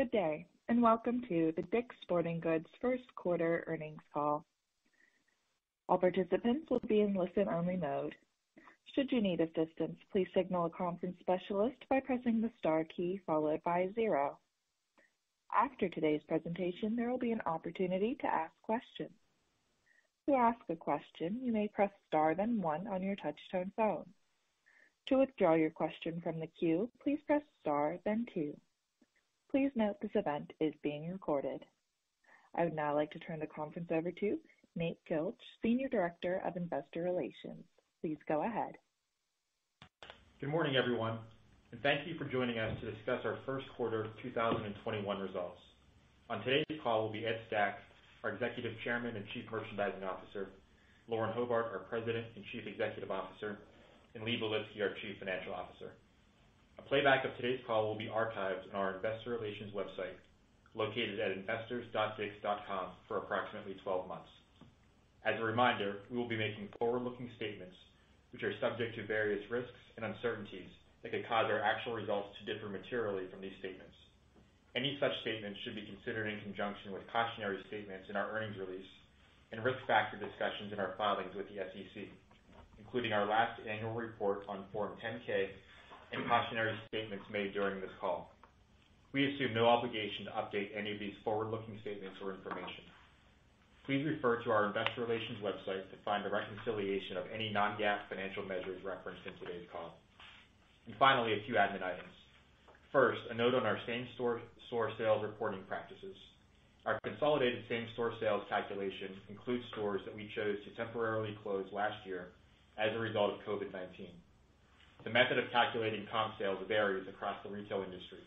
Good day, and welcome to the DICK’S Sporting Goods first quarter earnings call. I would now like to turn the conference over to Nate Gilch, Senior Director of Investor Relations. Please go ahead. Good morning, everyone, thank you for joining us to discuss our first quarter of 2021 results. On today's call will be Ed Stack, our Executive Chairman and Chief Merchandising Officer, Lauren Hobart, our President and Chief Executive Officer, and Lee Belitsky, our Chief Financial Officer. A playback of today's call will be archived on our investor relations website, located at investors.dicks.com for approximately 12 months. As a reminder, we will be making forward-looking statements, which are subject to various risks and uncertainties that could cause our actual results to differ materially from these statements. Any such statements should be considered in conjunction with cautionary statements in our earnings release and risk factor discussions in our filings with the SEC, including our last annual report on Form 10-K and cautionary statements made during this call. We assume no obligation to update any of these forward-looking statements or information. Please refer to our investor relations website to find a reconciliation of any non-GAAP financial measures referenced in today's call. Finally, a few admin items. First, a note on our same-store sales reporting practices. Our consolidated same-store sales calculation includes stores that we chose to temporarily close last year as a result of COVID-19. The method of calculating comp sales varies across the retail industry,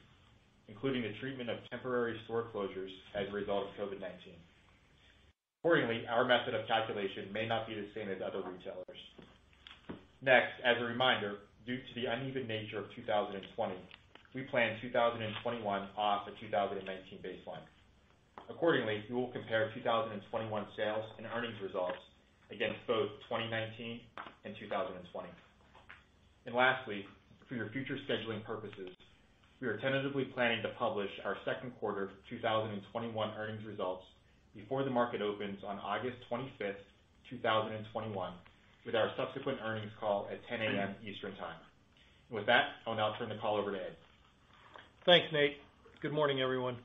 including the treatment of temporary store closures as a result of COVID-19. Our method of calculation may not be the same as other retailers. As a reminder, due to the uneven nature of 2020, we plan 2021 off a 2019 baseline. We will compare 2021 sales and earnings results against both 2019 and 2020. Lastly, for your future scheduling purposes, we are tentatively planning to publish our second quarter 2021 earnings results before the market opens on August 25th, 2021, with our subsequent earnings call at 10:00 A.M. Eastern Time. With that, I'll now turn the call over to Ed. Thanks, Nate. Good morning, everyone.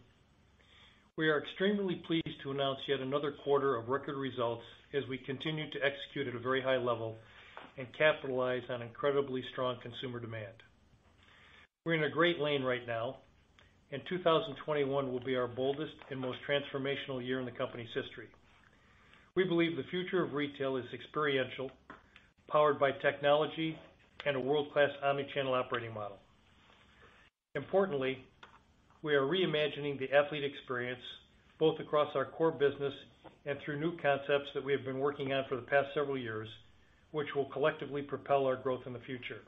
We are extremely pleased to announce yet another quarter of record results as we continue to execute at a very high level and capitalize on incredibly strong consumer demand. We're in a great lane right now. 2021 will be our boldest and most transformational year in the company's history. We believe the future of retail is experiential, powered by technology and a world-class omnichannel operating model. Importantly, we are reimagining the athlete experience both across our core business and through new concepts that we have been working on for the past several years, which will collectively propel our growth in the future.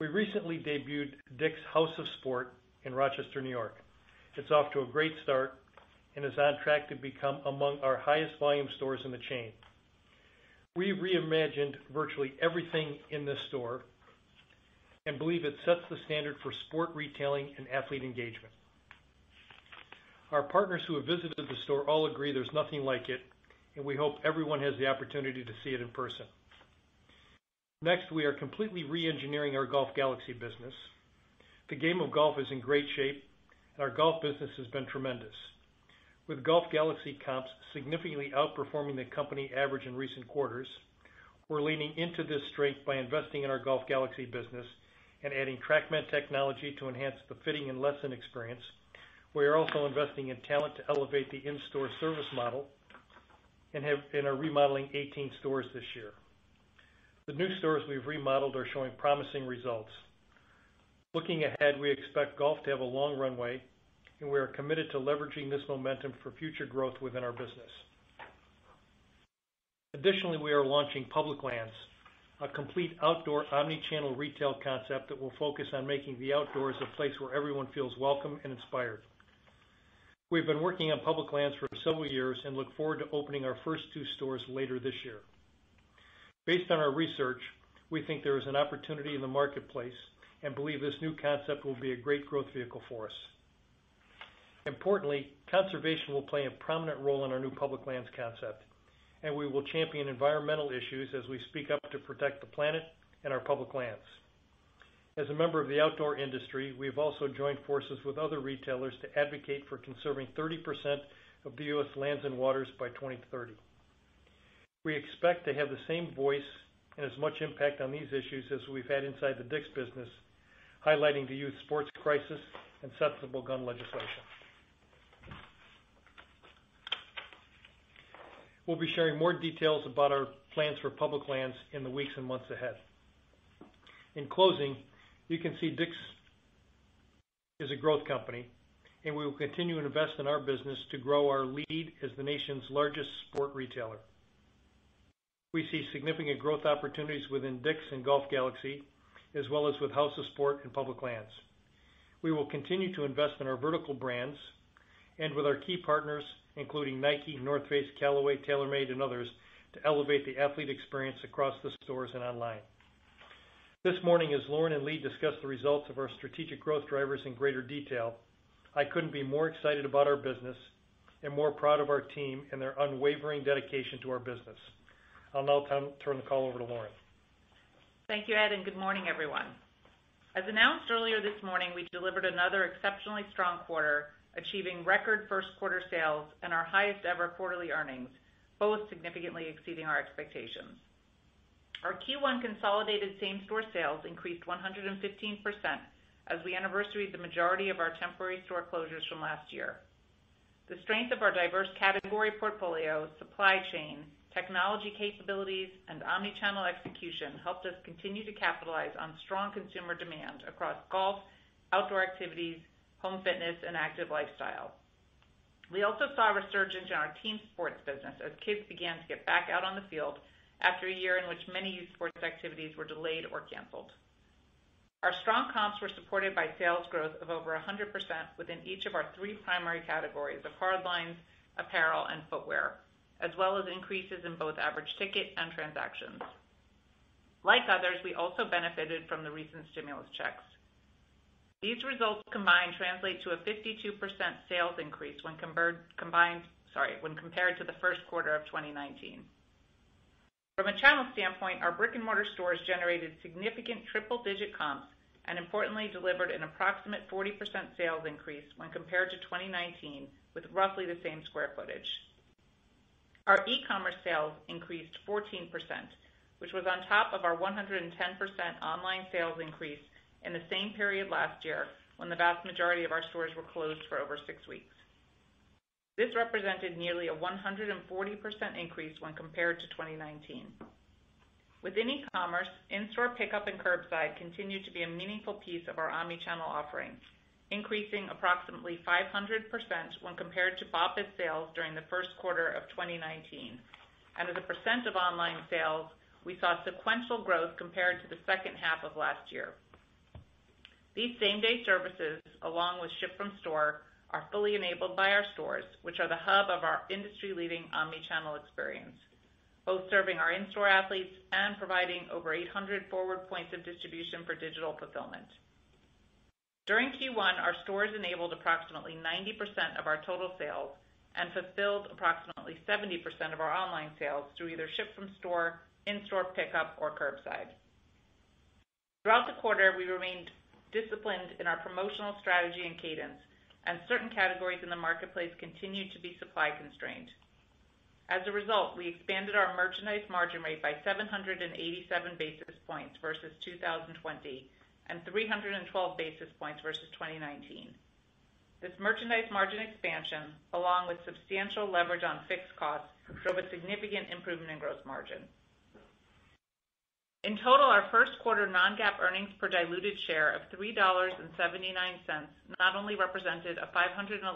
We recently debuted DICK'S House of Sport in Rochester, New York. It's off to a great start and is on track to become among our highest volume stores in the chain. We reimagined virtually everything in this store and believe it sets the standard for sport retailing and athlete engagement. Our partners who have visited the store all agree there's nothing like it, and we hope everyone has the opportunity to see it in person. We are completely re-engineering our Golf Galaxy business. The game of golf is in great shape, and our golf business has been tremendous. With Golf Galaxy comps significantly outperforming the company average in recent quarters, we're leaning into this strength by investing in our Golf Galaxy business and adding TrackMan technology to enhance the fitting and lesson experience. We are also investing in talent to elevate the in-store service model and are remodeling 18 stores this year. The new stores we've remodeled are showing promising results. Looking ahead, we expect golf to have a long runway, and we are committed to leveraging this momentum for future growth within our business. Additionally, we are launching Public Lands, a complete outdoor omnichannel retail concept that will focus on making the outdoors a place where everyone feels welcome and inspired. We've been working on Public Lands for several years and look forward to opening our first two stores later this year. Based on our research, we think there is an opportunity in the marketplace and believe this new concept will be a great growth vehicle for us. Importantly, conservation will play a prominent role in our new Public Lands concept. We will champion environmental issues as we speak up to protect the planet and our public lands. As a member of the outdoor industry, we've also joined forces with other retailers to advocate for conserving 30% of the U.S. lands and waters by 2030. We expect to have the same voice and as much impact on these issues as we've had inside the DICK'S business, highlighting the youth sports crisis and sensible gun legislation. We'll be sharing more details about our plans for Public Lands in the weeks and months ahead. In closing, you can see DICK'S is a growth company, and we will continue to invest in our business to grow our lead as the nation's largest sport retailer. We see significant growth opportunities within DICK'S and Golf Galaxy, as well as with House of Sport and Public Lands. We will continue to invest in our vertical brands and with our key partners, including Nike, The North Face, Callaway, TaylorMade, and others, to elevate the athlete experience across the stores and online. This morning, as Lauren and Lee discuss the results of our strategic growth drivers in greater detail, I couldn't be more excited about our business and more proud of our team and their unwavering dedication to our business. I'll now turn the call over to Lauren. Thank you, Ed, and good morning, everyone. As announced earlier this morning, we delivered another exceptionally strong quarter, achieving record first quarter sales and our highest-ever quarterly earnings, both significantly exceeding our expectations. Our Q1 consolidated same-store sales increased 115% as we anniversaried the majority of our temporary store closures from last year. The strength of our diverse category portfolio, supply chain, technology capabilities, and omnichannel execution helped us continue to capitalize on strong consumer demand across golf, outdoor activities, home fitness, and active lifestyle. We also saw a resurgence in our team sports business as kids began to get back out on the field after a year in which many youth sports activities were delayed or canceled. Our strong comps were supported by sales growth of over 100% within each of our three primary categories of hardlines, apparel, and footwear, as well as increases in both average ticket and transactions. Like others, we also benefited from the recent stimulus checks. These results combined translate to a 52% sales increase when compared to the first quarter of 2019. From a channel standpoint, our brick-and-mortar stores generated significant triple-digit comps and importantly delivered an approximate 40% sales increase when compared to 2019 with roughly the same square footage. Our e-commerce sales increased 14%, which was on top of our 110% online sales increase in the same period last year when the vast majority of our stores were closed for over six weeks. This represented nearly a 140% increase when compared to 2019. Within e-commerce, in-store pickup and curbside continue to be a meaningful piece of our omnichannel offering, increasing approximately 500% when compared to BOPIS sales during the first quarter of 2019. As a percent of online sales, we saw sequential growth compared to the second half of last year. These same-day services, along with ship from store, are fully enabled by our stores, which are the hub of our industry-leading omnichannel experience, both serving our in-store athletes and providing over 800 forward points of distribution for digital fulfillment. During Q1, our stores enabled approximately 90% of our total sales and fulfilled approximately 70% of our online sales through either ship from store, in-store pickup, or curbside. Throughout the quarter, we remained disciplined in our promotional strategy and cadence, and certain categories in the marketplace continued to be supply constrained. As a result, we expanded our merchandise margin rate by 787 basis points versus 2020 and 312 basis points versus 2019. This merchandise margin expansion, along with substantial leverage on fixed costs, drove a significant improvement in gross margin. In total, our first quarter non-GAAP earnings per diluted share of $3.79 not only represented a 511%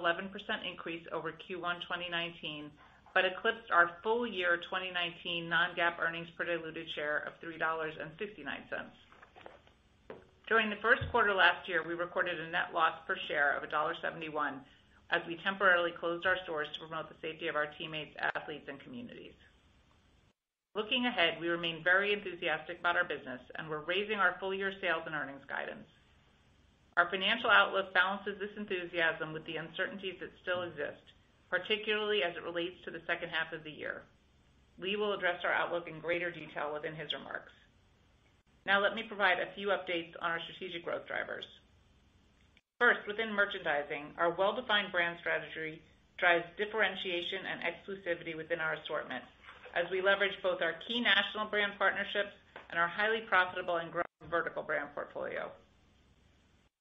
increase over Q1 2019 but eclipsed our full year 2019 non-GAAP earnings per diluted share of $3.59. During the first quarter last year, we recorded a net loss per share of $1.71 as we temporarily closed our stores to promote the safety of our teammates, athletes, and communities. Looking ahead, we remain very enthusiastic about our business and we're raising our full-year sales and earnings guidance. Our financial outlook balances this enthusiasm with the uncertainties that still exist, particularly as it relates to the second half of the year. Lee will address our outlook in greater detail within his remarks. Now let me provide a few updates on our strategic growth drivers. First, within merchandising, our well-defined brand strategy drives differentiation and exclusivity within our assortment as we leverage both our key national brand partnerships and our highly profitable and growing vertical brand portfolio.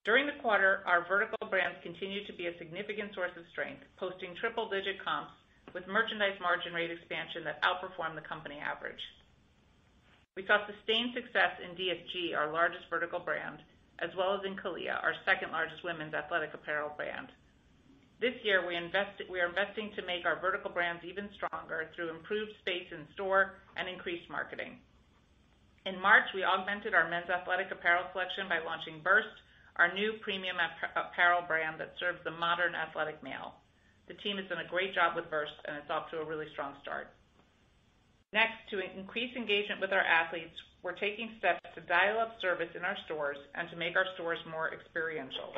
During the quarter, our vertical brands continued to be a significant source of strength, posting triple-digit comps with merchandise margin rate expansion that outperformed the company average. We saw sustained success in DSG, our largest vertical brand, as well as in CALIA, our second-largest women's athletic apparel brand. This year, we are investing to make our vertical brands even stronger through improved space in store and increased marketing. In March, we augmented our men's athletic apparel collection by launching VRST, our new premium apparel brand that serves the modern athletic male. The team has done a great job with VRST, and it's off to a really strong start. Next, to increase engagement with our athletes, we're taking steps to dial up service in our stores and to make our stores more experiential.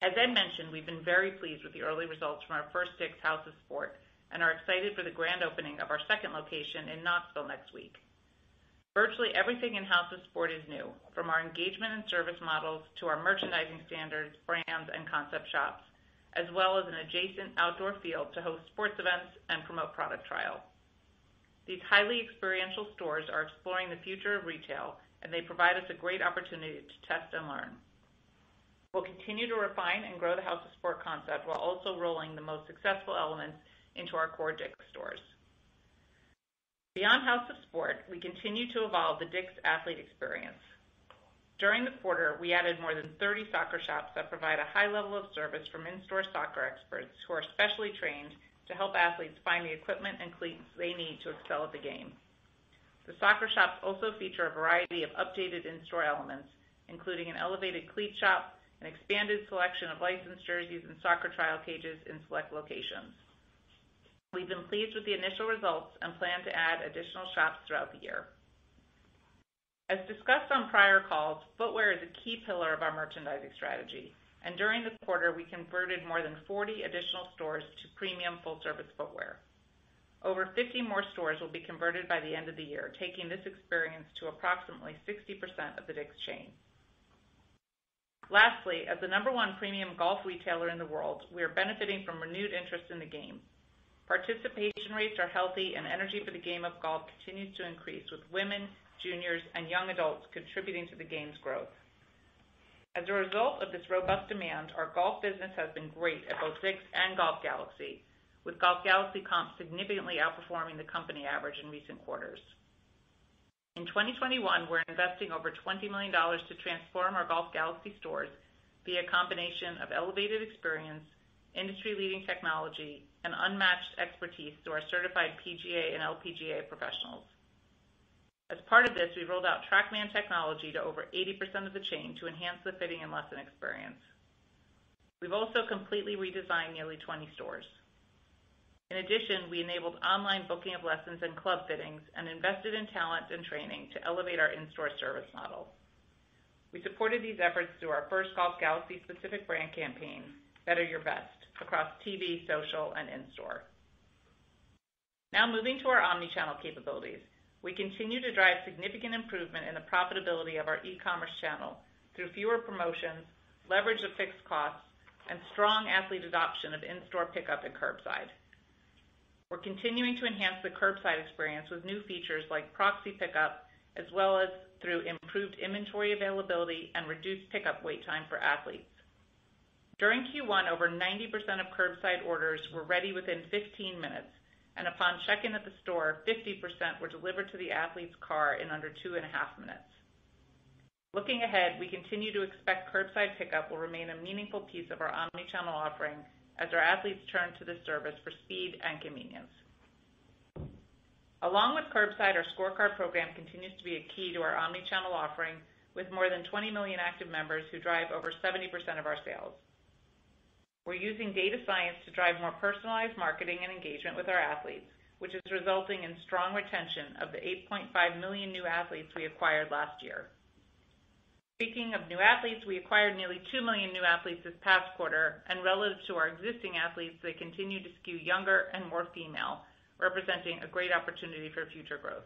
As I mentioned, we've been very pleased with the early results from our first DICK'S House of Sport and are excited for the grand opening of our second location in Knoxville next week. Virtually everything in House of Sport is new, from our engagement and service models to our merchandising standards, brands, and concept shops, as well as an adjacent outdoor field to host sports events and promote product trial. These highly experiential stores are exploring the future of retail, and they provide us a great opportunity to test and learn. We'll continue to refine and grow the House of Sport concept while also rolling the most successful elements into our core DICK'S stores. Beyond House of Sport, we continue to evolve the DICK'S athlete experience. During the quarter, we added more than 30 soccer shops that provide a high level of service from in-store soccer experts who are specially trained to help athletes find the equipment and cleats they need to excel at the game. The soccer shops also feature a variety of updated in-store elements, including an elevated cleat shop, an expanded selection of licensed jerseys and soccer trial cages in select locations. We've been pleased with the initial results and plan to add additional shops throughout the year. As discussed on prior calls, footwear is a key pillar of our merchandising strategy. During this quarter, we converted more than 40 additional stores to premium full-service footwear. Over 50 more stores will be converted by the end of the year, taking this experience to approximately 60% of the DICK'S chain. Lastly, as the number one premium golf retailer in the world, we are benefiting from renewed interest in the game. Participation rates are healthy, and energy for the game of golf continues to increase, with women, juniors, and young adults contributing to the game's growth. As a result of this robust demand, our golf business has been great at both DICK'S and Golf Galaxy, with Golf Galaxy comps significantly outperforming the company average in recent quarters. In 2021, we're investing over $20 million to transform our Golf Galaxy stores via a combination of elevated experience, industry-leading technology, and unmatched expertise through our certified PGA and LPGA professionals. As part of this, we rolled out TrackMan technology to over 80% of the chain to enhance the fitting and lesson experience. We've also completely redesigned nearly 20 stores. We enabled online booking of lessons and club fittings and invested in talent and training to elevate our in-store service model. We supported these efforts through our first Golf Galaxy-specific brand campaign, Better Your Best, across TV, social, and in-store. Moving to our omnichannel capabilities. We continue to drive significant improvement in the profitability of our e-commerce channel through fewer promotions, leverage of fixed costs, and strong athlete adoption of in-store pickup and curbside. We're continuing to enhance the curbside experience with new features like proxy pickup, as well as through improved inventory availability and reduced pickup wait time for athletes. During Q1, over 90% of curbside orders were ready within 15 minutes, and upon check-in at the store, 50% were delivered to the athlete's car in under two and a half minutes. Looking ahead, we continue to expect curbside pickup will remain a meaningful piece of our omnichannel offering as our athletes turn to this service for speed and convenience. Along with curbside, our ScoreCard program continues to be a key to our omnichannel offering, with more than 20 million active members who drive over 70% of our sales. We're using data science to drive more personalized marketing and engagement with our athletes, which is resulting in strong retention of the 8.5 million new athletes we acquired last year. Speaking of new athletes, we acquired nearly 2 million new athletes this past quarter, and relative to our existing athletes, they continue to skew younger and more female, representing a great opportunity for future growth.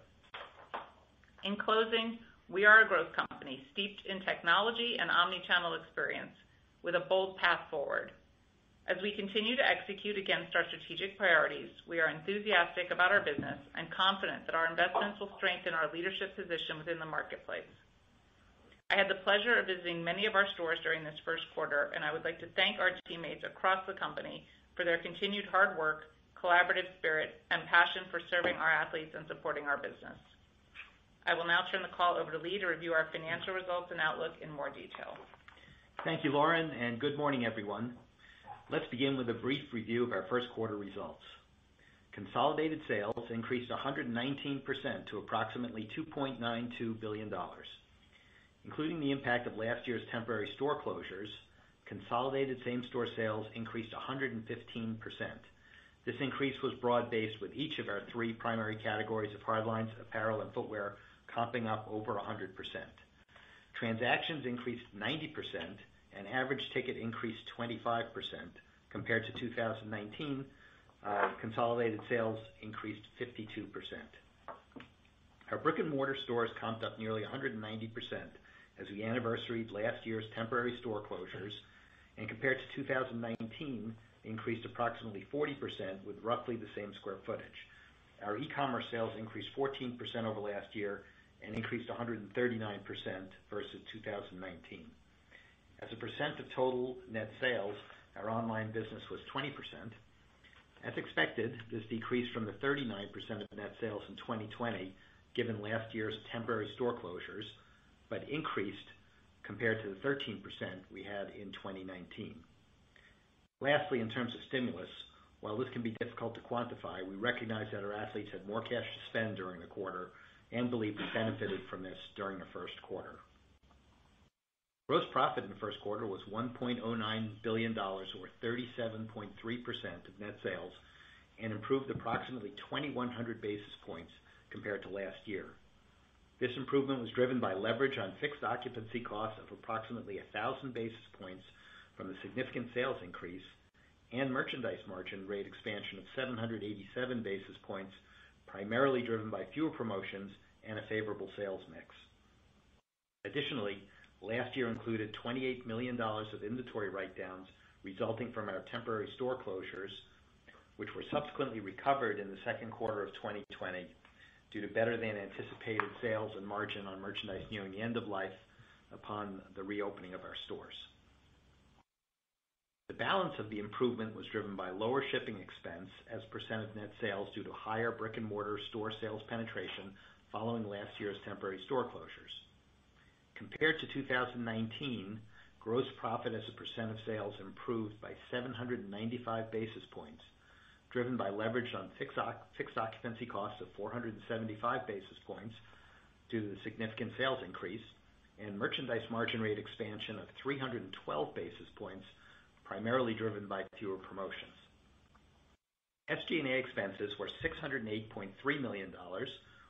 In closing, we are a growth company steeped in technology and omnichannel experience with a bold path forward. As we continue to execute against our strategic priorities, we are enthusiastic about our business and confident that our investments will strengthen our leadership position within the marketplace. I had the pleasure of visiting many of our stores during this first quarter, and I would like to thank our teammates across the company for their continued hard work, collaborative spirit, and passion for serving our athletes and supporting our business. I will now turn the call over to Lee to review our financial results and outlook in more detail. Thank you, Lauren, and good morning, everyone. Let's begin with a brief review of our first quarter results. Consolidated sales increased 119% to approximately $2.92 billion. Including the impact of last year's temporary store closures, consolidated same-store sales increased 115%. This increase was broad-based with each of our three primary categories of hardlines, apparel, and footwear comping up over 100%. Transactions increased 90%, and average ticket increased 25%. Compared to 2019, consolidated sales increased 52%. Our brick-and-mortar stores comped up nearly 190% as we anniversary-ed last year's temporary store closures, and compared to 2019, increased approximately 40% with roughly the same square footage. Our e-commerce sales increased 14% over last year and increased 139% versus 2019. As a percent of total net sales, our online business was 20%. As expected, this decreased from the 39% of net sales in 2020, given last year's temporary store closures, but increased compared to the 13% we had in 2019. Lastly, in terms of stimulus, while this can be difficult to quantify, we recognize that our athletes had more cash to spend during the quarter and believe we benefited from this during the first quarter. Gross profit in the first quarter was $1.09 billion, or 37.3% of net sales, and improved approximately 2,100 basis points compared to last year. This improvement was driven by leverage on fixed occupancy costs of approximately 1,000 basis points from the significant sales increase and merchandise margin rate expansion of 787 basis points, primarily driven by fewer promotions and a favorable sales mix. Additionally, last year included $28 million of inventory write-downs resulting from our temporary store closures, which were subsequently recovered in the second quarter of 2020 due to better-than-anticipated sales and margin on merchandise nearing the end of life upon the reopening of our stores. The balance of the improvement was driven by lower shipping expense as a percent of net sales due to higher brick-and-mortar store sales penetration following last year's temporary store closures. Compared to 2019, gross profit as a percent of sales improved by 795 basis points, driven by leverage on fixed occupancy costs of 475 basis points. Due to the significant sales increase and merchandise margin rate expansion of 312 basis points, primarily driven by fewer promotions. SG&A expenses were $608.3 million,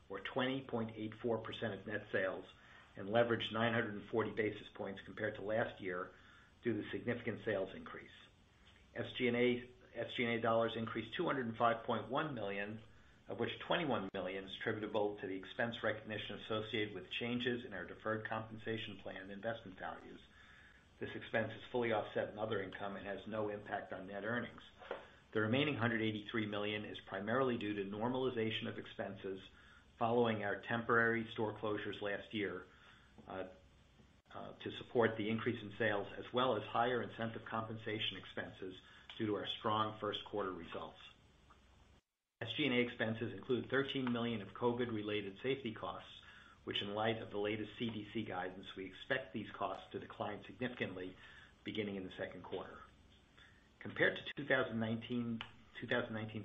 or 20.84% of net sales, and leveraged 940 basis points compared to last year due to the significant sales increase. SG&A dollars increased $205.1 million, of which $21 million is attributable to the expense recognition associated with changes in our deferred compensation plan investment values. This expense is fully offset in other income and has no impact on net earnings. The remaining $183 million is primarily due to normalization of expenses following our temporary store closures last year to support the increase in sales, as well as higher incentive compensation expenses due to our strong first quarter results. SG&A expenses include $13 million of COVID-related safety costs, which in light of the latest CDC guidance, we expect these costs to decline significantly beginning in the second quarter. Compared to 2019's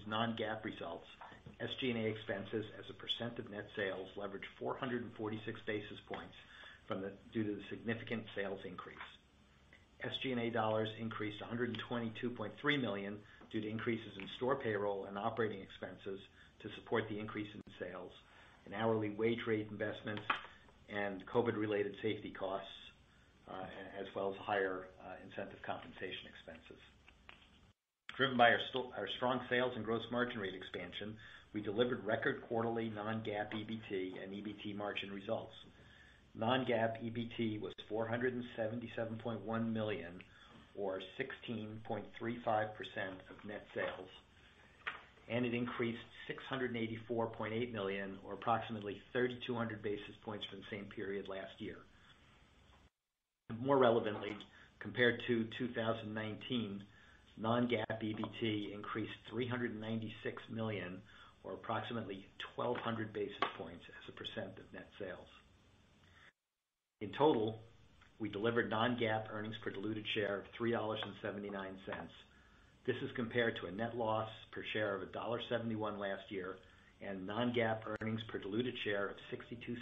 non-GAAP results, SG&A expenses as a percent of net sales leveraged 446 basis points due to the significant sales increase. SG&A increased $122.3 million due to increases in store payroll and operating expenses to support the increase in sales and hourly wage rate investments and COVID-related safety costs, as well as higher incentive compensation expenses. Driven by our strong sales and gross margin rate expansion, we delivered record quarterly non-GAAP EBT and EBT margin results. Non-GAAP EBT was $477.1 million, or 16.35% of net sales, and it increased $684.8 million, or approximately 3,200 basis points from the same period last year. More relevantly, compared to 2019, non-GAAP EBT increased $396 million, or approximately 1,200 basis points as a percent of net sales. In total, we delivered non-GAAP earnings per diluted share of $3.79. This is compared to a net loss per share of $1.71 last year and non-GAAP earnings per diluted share of $0.62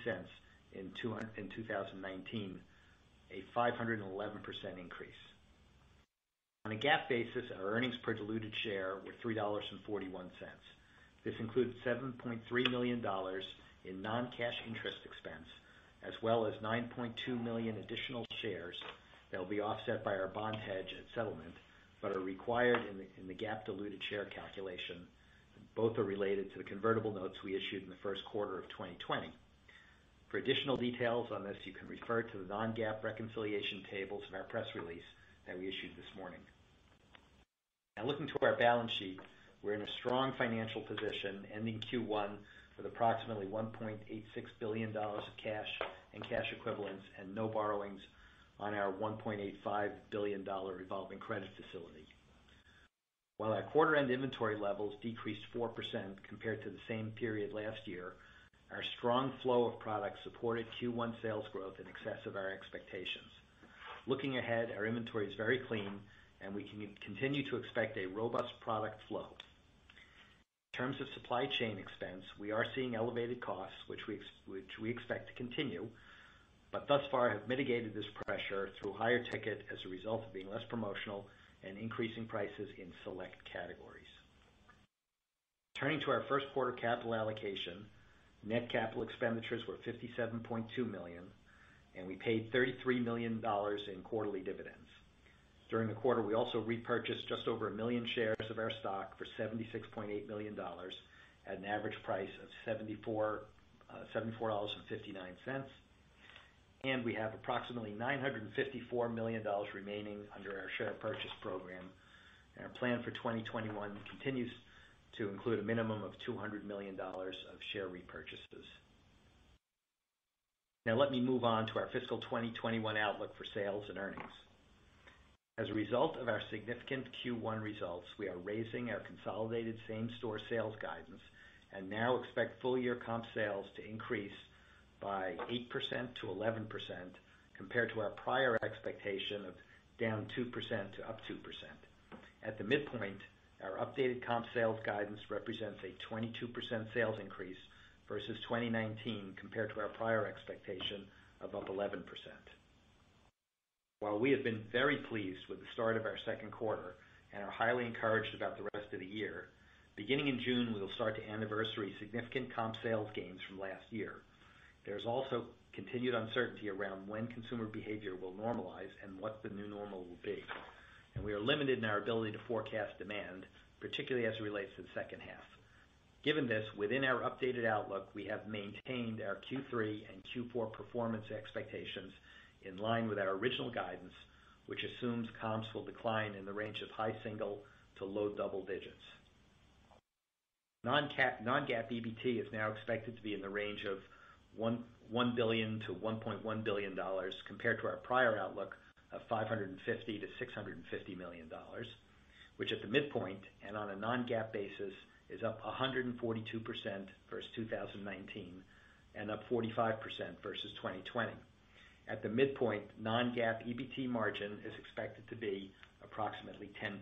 in 2019, a 511% increase. On a GAAP basis, our earnings per diluted share were $3.41. This includes $7.3 million in non-cash interest expense as well as 9.2 million additional shares that will be offset by our bond hedge at settlement, but are required in the GAAP diluted share calculation. Both are related to the convertible notes we issued in the first quarter of 2020. For additional details on this, you can refer to the non-GAAP reconciliation tables in our press release that we issued this morning. Looking to our balance sheet, we're in a strong financial position ending Q1 with approximately $1.86 billion of cash and cash equivalents and no borrowings on our $1.85 billion revolving credit facility. While our quarter-end inventory levels decreased 4% compared to the same period last year, our strong flow of product supported Q1 sales growth in excess of our expectations. Looking ahead, our inventory is very clean, and we continue to expect a robust product flow. In terms of supply chain expense, we are seeing elevated costs, which we expect to continue, but thus far have mitigated this pressure through higher ticket as a result of being less promotional and increasing prices in select categories. Turning to our first quarter capital allocation, net capital expenditures were $57.2 million, and we paid $33 million in quarterly dividends. During the quarter, we also repurchased just over 1 million shares of our stock for $76.8 million at an average price of $74.59. We have approximately $954 million remaining under our share purchase program, and our plan for 2021 continues to include a minimum of $200 million of share repurchases. Let me move on to our fiscal 2021 outlook for sales and earnings. As a result of our significant Q1 results, we are raising our consolidated same-store sales guidance and now expect full-year comp sales to increase by 8%-11%, compared to our prior expectation of down 2% to up 2%. At the midpoint, our updated comp sales guidance represents a 22% sales increase versus 2019 compared to our prior expectation of up 11%. While we have been very pleased with the start of our second quarter and are highly encouraged about the rest of the year, beginning in June, we will start to anniversary significant comp sales gains from last year. There is also continued uncertainty around when consumer behavior will normalize and what the new normal will be, and we are limited in our ability to forecast demand, particularly as it relates to the second half. Given this, within our updated outlook, we have maintained our Q3 and Q4 performance expectations in line with our original guidance, which assumes comps will decline in the range of high single to low double digits. Non-GAAP EBT is now expected to be in the range of $1 billion-$1.1 billion, compared to our prior outlook of $550 million-$650 million, which at the midpoint and on a non-GAAP basis, is up 142% versus 2019 and up 45% versus 2020. At the midpoint, non-GAAP EBT margin is expected to be approximately 10%.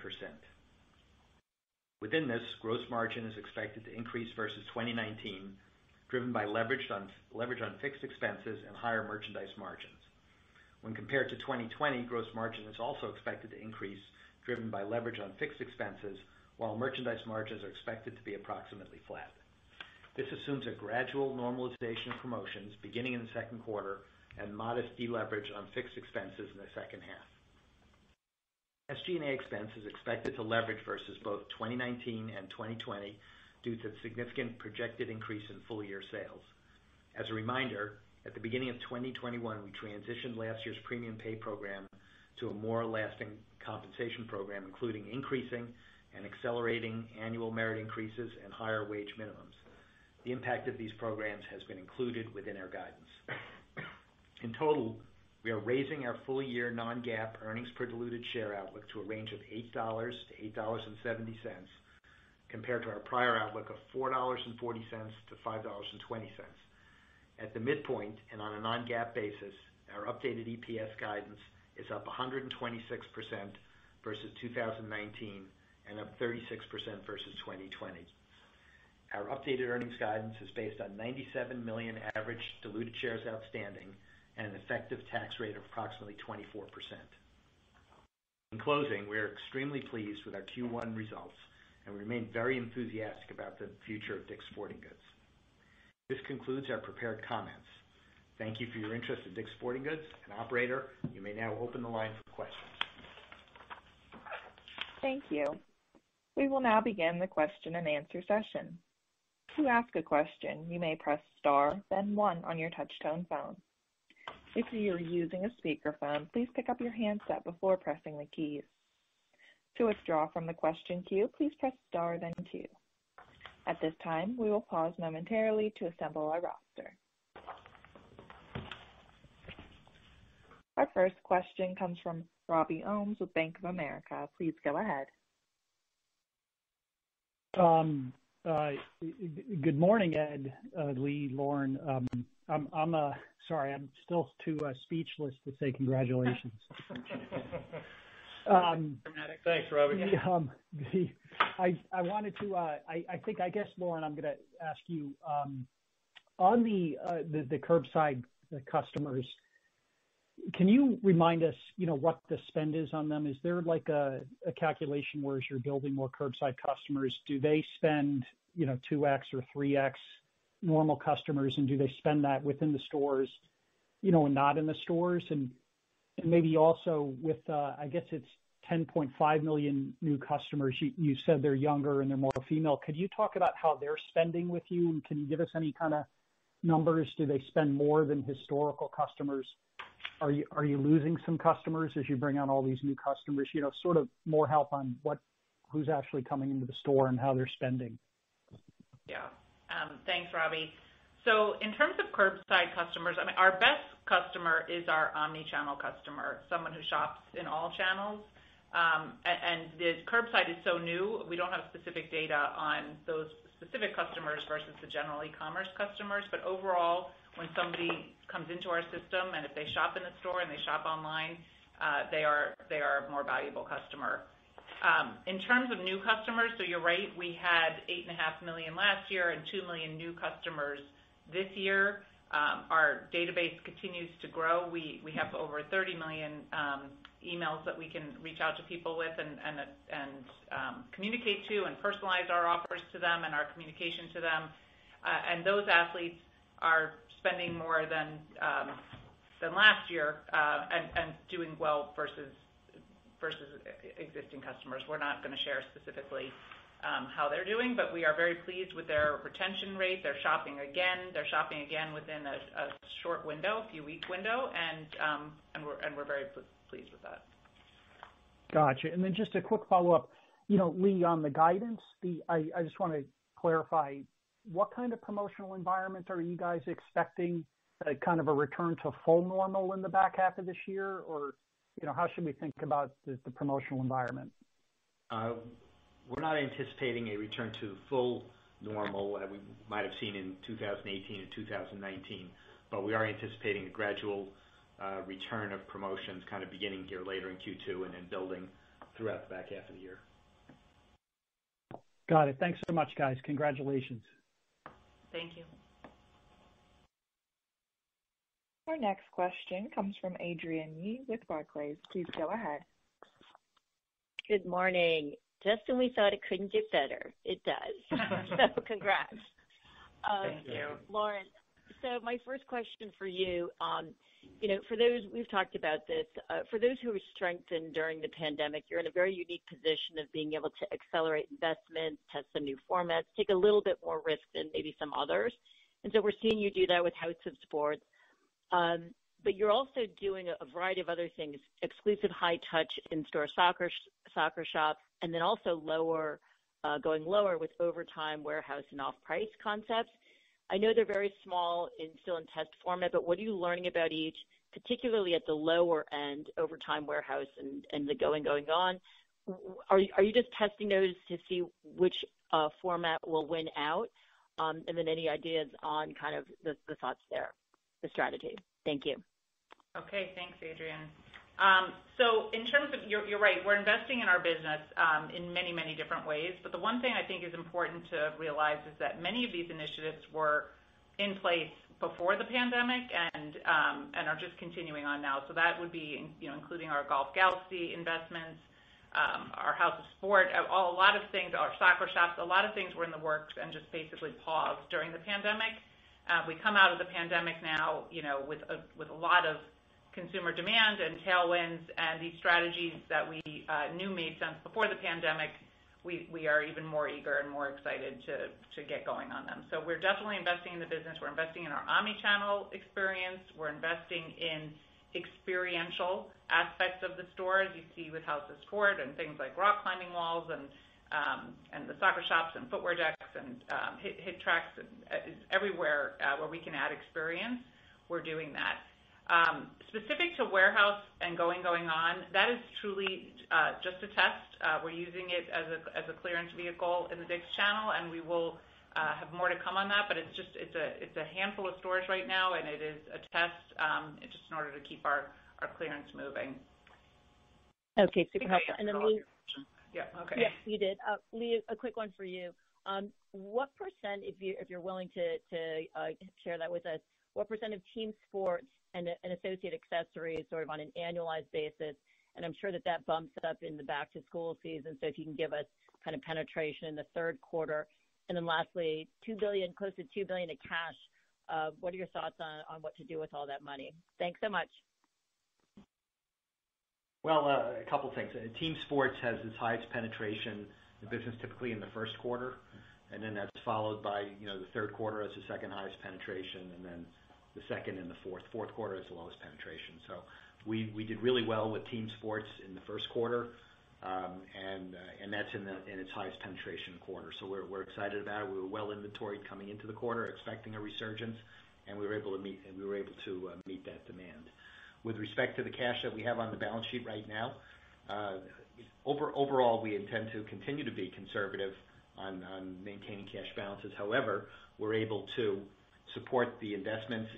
Within this, gross margin is expected to increase versus 2019, driven by leverage on fixed expenses and higher merchandise margins. When compared to 2020, gross margin is also expected to increase, driven by leverage on fixed expenses, while merchandise margins are expected to be approximately flat. This assumes a gradual normalization of promotions beginning in the second quarter and modest deleverage on fixed expenses in the second half. SG&A expense is expected to leverage versus both 2019 and 2020 due to the significant projected increase in full-year sales. As a reminder, at the beginning of 2021, we transitioned last year's premium pay program to a more lasting compensation program, including increasing and accelerating annual merit increases and higher wage minimums. The impact of these programs has been included within our guidance. In total, we are raising our full-year non-GAAP earnings per diluted share outlook to a range of $8-$8.70, compared to our prior outlook of $4.40-$5.20. At the midpoint and on a non-GAAP basis, our updated EPS guidance is up 126% versus 2019 and up 36% versus 2020. Our updated earnings guidance is based on 97 million average diluted shares outstanding and an effective tax rate of approximately 24%. In closing, we are extremely pleased with our Q1 results and remain very enthusiastic about the future of DICK'S Sporting Goods. This concludes our prepared comments. Thank you for your interest in DICK'S Sporting Goods. Operator, you may now open the line for questions. Thank you. We will now begin the question-and-answer session. To ask a question, you may press star then one on your touchtone phone. If you are using a speakerphone, please pick up your handset before pressing the keys. To withdraw from the question queue, please press star then two. At this time, we will pause momentarily to assemble our roster. Our first question comes from Robbie Ohmes with Bank of America. Please go ahead. Good morning, Ed, Lee, Lauren. Sorry, I'm still too speechless to say congratulations. Thanks, Robbie. I think, I guess, Lauren, I'm going to ask you. On the curbside customers, can you remind us what the spend is on them? Is there a calculation where as you're building more curbside customers, do they spend 2x or 3x normal customers, and do they spend that within the stores and not in the stores? Maybe also with, I guess it's 10.5 million new customers, you said they're younger and they're more female. Could you talk about how they're spending with you, and can you give us any kind of numbers? Do they spend more than historical customers? Are you losing some customers as you bring on all these new customers? Sort of more help on who's actually coming into the store and how they're spending. Thanks, Robbie. In terms of curbside customers, our best customer is our omnichannel customer, someone who shops in all channels. The curbside is so new, we don't have specific data on those specific customers versus the general e-commerce customers. Overall, when somebody comes into our system, and if they shop in the store and they shop online, they are a more valuable customer. In terms of new customers, you're right, we had $8.5 million last year and $2 million new customers this year. Our database continues to grow. We have over 30 million emails that we can reach out to people with and communicate to and personalize our offers to them and our communication to them. Those athletes are spending more than last year, and doing well versus existing customers. We're not going to share specifically how they're doing, but we are very pleased with their retention rate. They're shopping again. They're shopping again within a short window, a few week window, and we're very pleased with that. Got you. Just a quick follow-up. Lee, on the guidance, I just want to clarify, what kind of promotional environment are you guys expecting? A return to full normal in the back half of this year, or how should we think about the promotional environment? We're not anticipating a return to full normal that we might have seen in 2018 and 2019, but we are anticipating a gradual return of promotions beginning here later in Q2 and then building throughout the back half of the year. Got it. Thanks so much, guys. Congratulations. Thank you. Our next question comes from Adrienne Yih with Barclays. Please go ahead. Good morning. Just when we thought it couldn't get better, it does. Congrats. Thank you. Lauren, my first question for you. We've talked about this. For those who have strengthened during the pandemic, you're in a very unique position of being able to accelerate investment, test some new formats, take a little bit more risk than maybe some others. We're seeing you do that with House of Sport. You're also doing a variety of other things, exclusive high touch in store soccer shop, and then also going lower with OVERTIME Warehouse and off-price concepts. I know they're very small and still in test format, what are you learning about each, particularly at the lower end, OVERTIME Warehouse and the Going, Gone!? Are you just testing those to see which format will win out? Any ideas on the thoughts there, the strategy? Thank you. Okay, thanks, Adrienne. You are right. We are investing in our business in many different ways. The one thing I think is important to realize is that many of these initiatives were in place before the pandemic and are just continuing on now. That would be including our Golf Galaxy investments, our House of Sport, our soccer shops, a lot of things were in the works and just basically paused during the pandemic. We come out of the pandemic now with a lot of consumer demand and tailwinds and these strategies that we knew made sense before the pandemic. We are even more eager and more excited to get going on them. We are definitely investing in the business. We are investing in our omnichannel experience. We're investing in experiential aspects of the store, as you see with House of Sport and things like rock climbing walls and the soccer shops and Footwear Decks and HitTrax. Everywhere where we can add experience, we're doing that. Specific to Warehouse Sale and Going, Gone!, that is truly just a test. We're using it as a clearance vehicle in the DICK'S channel. We will have more to come on that, but it's a handful of stores right now, and it is a test, just in order to keep our clearance moving. Okay. Does that help? And then the. Yes. Yes, you did. Lee, a quick one for you. What percent, if you're willing to share that with us, what percent of team sports and associated accessories, sort of on an annualized basis, and I'm sure that bumps it up in the back-to-school season, so if you can give us penetration in the third quarter. Lastly, close to $2 billion of cash. What are your thoughts on what to do with all that money? Thanks so much. Well, a couple of things. Team sports has its highest penetration of business typically in the first quarter, and then that's followed by the third quarter as the second highest penetration, and then the second and the fourth quarter is the lowest penetration. We did really well with team sports in the first quarter, and that's in its highest penetration quarter. We were well-inventoried coming into the quarter, expecting a resurgence, and we were able to meet that demand. With respect to the cash that we have on the balance sheet right now, overall, we intend to continue to be conservative on maintaining cash balances. However, we're able to support the investments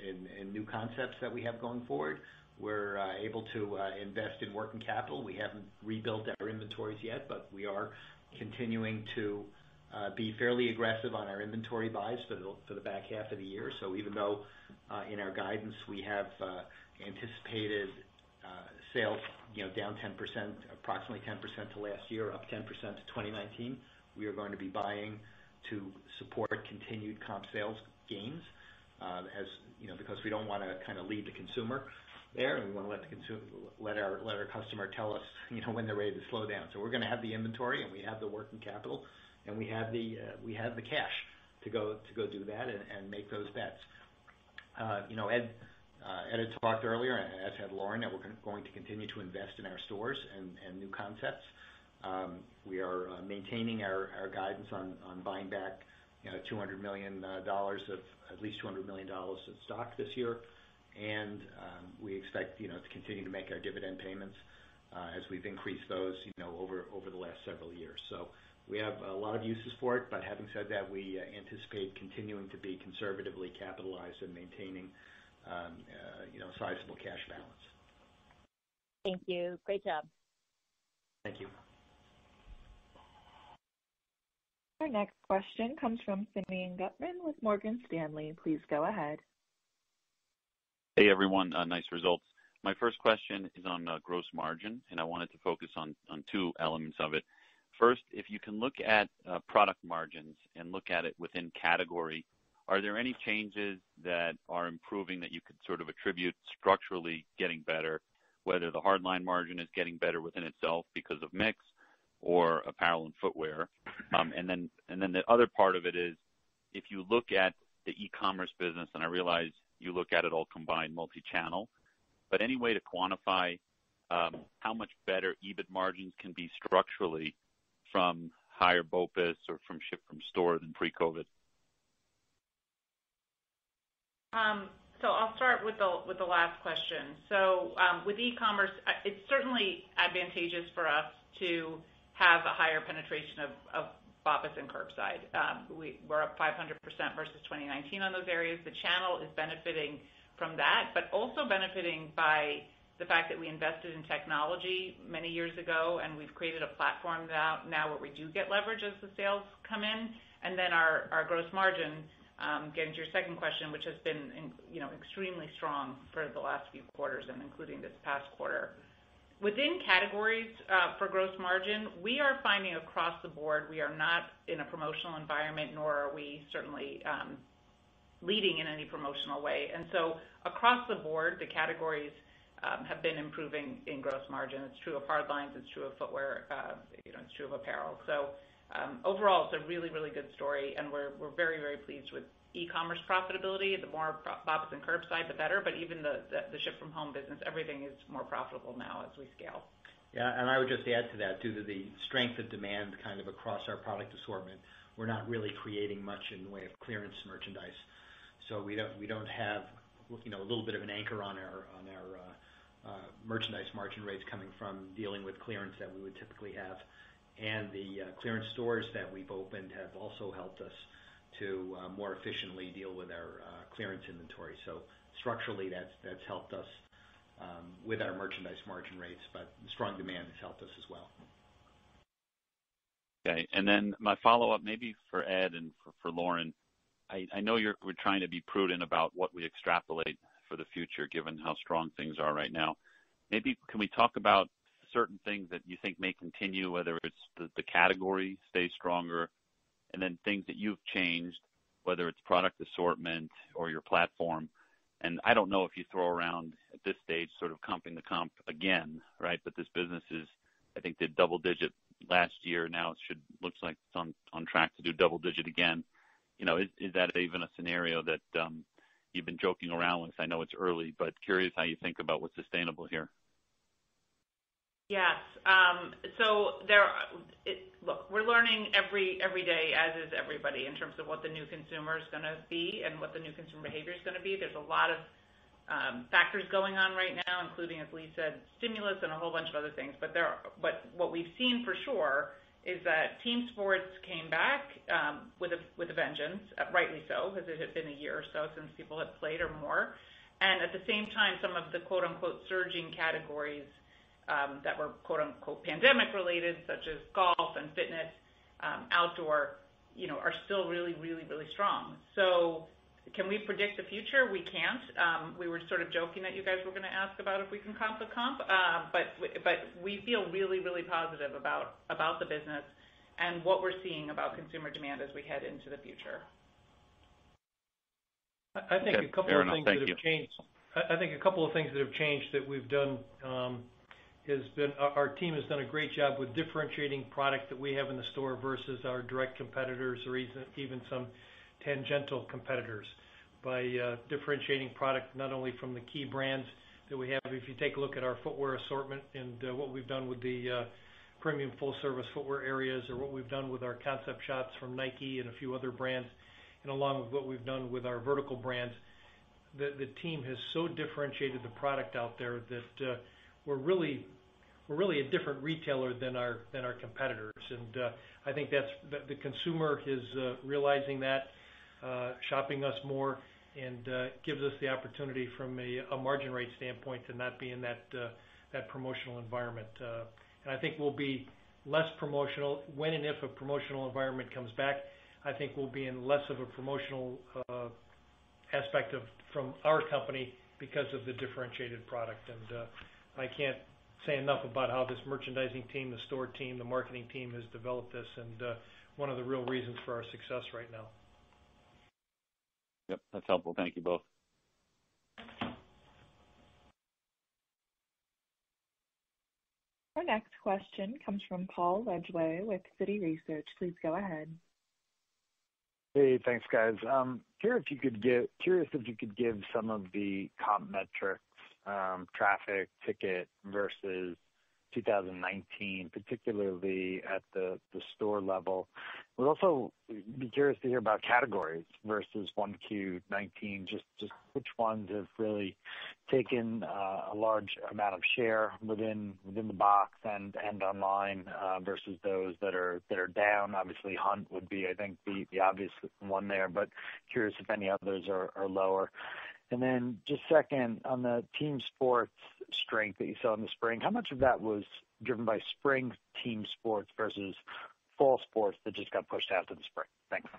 in new concepts that we have going forward. We're able to invest in working capital. We haven't rebuilt our inventories yet, but we are continuing to be fairly aggressive on our inventory buys for the back half of the year. Even though in our guidance, we have anticipated sales down approximately 10% to last year, up 10% to 2019, we are going to be buying to support continued comp sales gains because we don't want to lead the consumer there, and we want to let our customer tell us when they're ready to slow down. We're going to have the inventory and we have the working capital, and we have the cash to go do that and make those bets. Ed had talked earlier, as had Lauren, that we're going to continue to invest in our stores and new concepts. We are maintaining our guidance on buying back at least $200 million of stock this year. We expect to continue to make our dividend payments as we've increased those over the last several years. We have a lot of uses for it, but having said that, we anticipate continuing to be conservatively capitalized and maintaining sizable cash balance. Thank you. Great job. Thank you. Our next question comes from Simeon Gutman with Morgan Stanley. Please go ahead. Hey, everyone. Nice results. My first question is on gross margins. I wanted to focus on two elements of it. First, if you can look at product margins and look at it within category, are there any changes that are improving that you could sort of attribute structurally getting better, whether the hard line margin is getting better within itself because of mix or apparel and footwear? The other part of it is, if you look at the e-commerce business, I realize you look at it all combined multi-channel, but any way to quantify how much better EBIT margins can be structurally from higher BOPUS or from ship from stores than pre-COVID? I'll start with the last question. With e-commerce, it's certainly advantageous for us to have a higher penetration of BOPUS and curbside. We're up 500% versus 2019 on those areas. The channel is benefiting from that, but also benefiting by the fact that we invested in technology many years ago, and we've created a platform now where we do get leverage as the sales come in. Our gross margins, getting to your second question, which has been extremely strong for the last few quarters and including this past quarter. Within categories for gross margin, we are finding across the board, we are not in a promotional environment, nor are we certainly leading in any promotional way. Across the board, the categories have been improving in gross margins. It's true of hardlines, it's true of footwear, it's true of apparel. Overall, it's a really good story, and we're very pleased with e-commerce profitability. The more BOPUS and curbside, the better, but even the ship from home business, everything is more profitable now as we scale. Yeah, I would just add to that, due to the strength of demand across our product assortment, we're not really creating much in the way of clearance merchandise. We don't have a little bit of an anchor on our merchandise margin rates coming from dealing with clearance that we would typically have. The clearance stores that we've opened have also helped us to more efficiently deal with our clearance inventory. Structurally, that's helped us with our merchandise margin rates, but strong demand has helped us as well. Okay. My follow-up maybe for Ed and for Lauren. I know you're trying to be prudent about what we extrapolate for the future, given how strong things are right now. Maybe can we talk about certain things that you think may continue, whether it's the category stay stronger, and then things that you've changed, whether it's product assortment or your platform. I don't know if you throw around at this stage sort of comping the comp again, right? This business is, I think, did double-digit last year. Now it looks like it's on track to do double-digit again. Is that even a scenario that you've been joking around with? I know it's early. Curious how you think about what's sustainable here. Yes. Look, we're learning every day, as is everybody, in terms of what the new consumer is going to be and what the new consumer behavior is going to be. There's a lot of factors going on right now, including, as Lee said, stimulus and a whole bunch of other things. What we've seen for sure is that team sports came back with a vengeance, rightly so, because it had been a year or so since people had played or more. At the same time, some of the surging categories that were pandemic related, such as golf and fitness, outdoor, are still really, really, really strong. Can we predict the future? We can't. We were sort of joking that you guys were going to ask about if we can comp the comp. We feel really, really positive about the business and what we're seeing about consumer demand as we head into the future. Okay. Fair enough. Thank you. I think a couple of things that have changed that we've done has been our team has done a great job with differentiating product that we have in the store versus our direct competitors, or even some tangential competitors by differentiating product not only from the key brands that we have. If you take a look at our footwear assortment and what we've done with the premium full-service footwear areas, or what we've done with our concept shops from Nike and a few other brands, and along with what we've done with our vertical brands. The team has so differentiated the product out there that we're really a different retailer than our competitors. I think the consumer is realizing that, shopping us more, and gives us the opportunity from a margin rate standpoint to not be in that promotional environment. I think we'll be less promotional when and if a promotional environment comes back. I think we'll be in less of a promotional aspect from our company because of the differentiated product. I can't say enough about how this merchandising team, the store team, the marketing team has developed this and one of the real reasons for our success right now. Yep, that's helpful. Thank you both. Our next question comes from Paul Lejuez with Citi Research. Please go ahead. Hey, thanks, guys. Curious if you could give some of the comp metrics, traffic ticket versus 2019, particularly at the store level. Would also be curious to hear about categories versus 1Q19, just which ones have really taken a large amount of share within the box and online versus those that are down. Obviously, hunt would be, I think, the obvious one there, but curious if any others are lower. Then just second, on the team sports strength that you saw in the spring, how much of that was driven by spring team sports versus fall sports that just got pushed out to the spring? Thanks.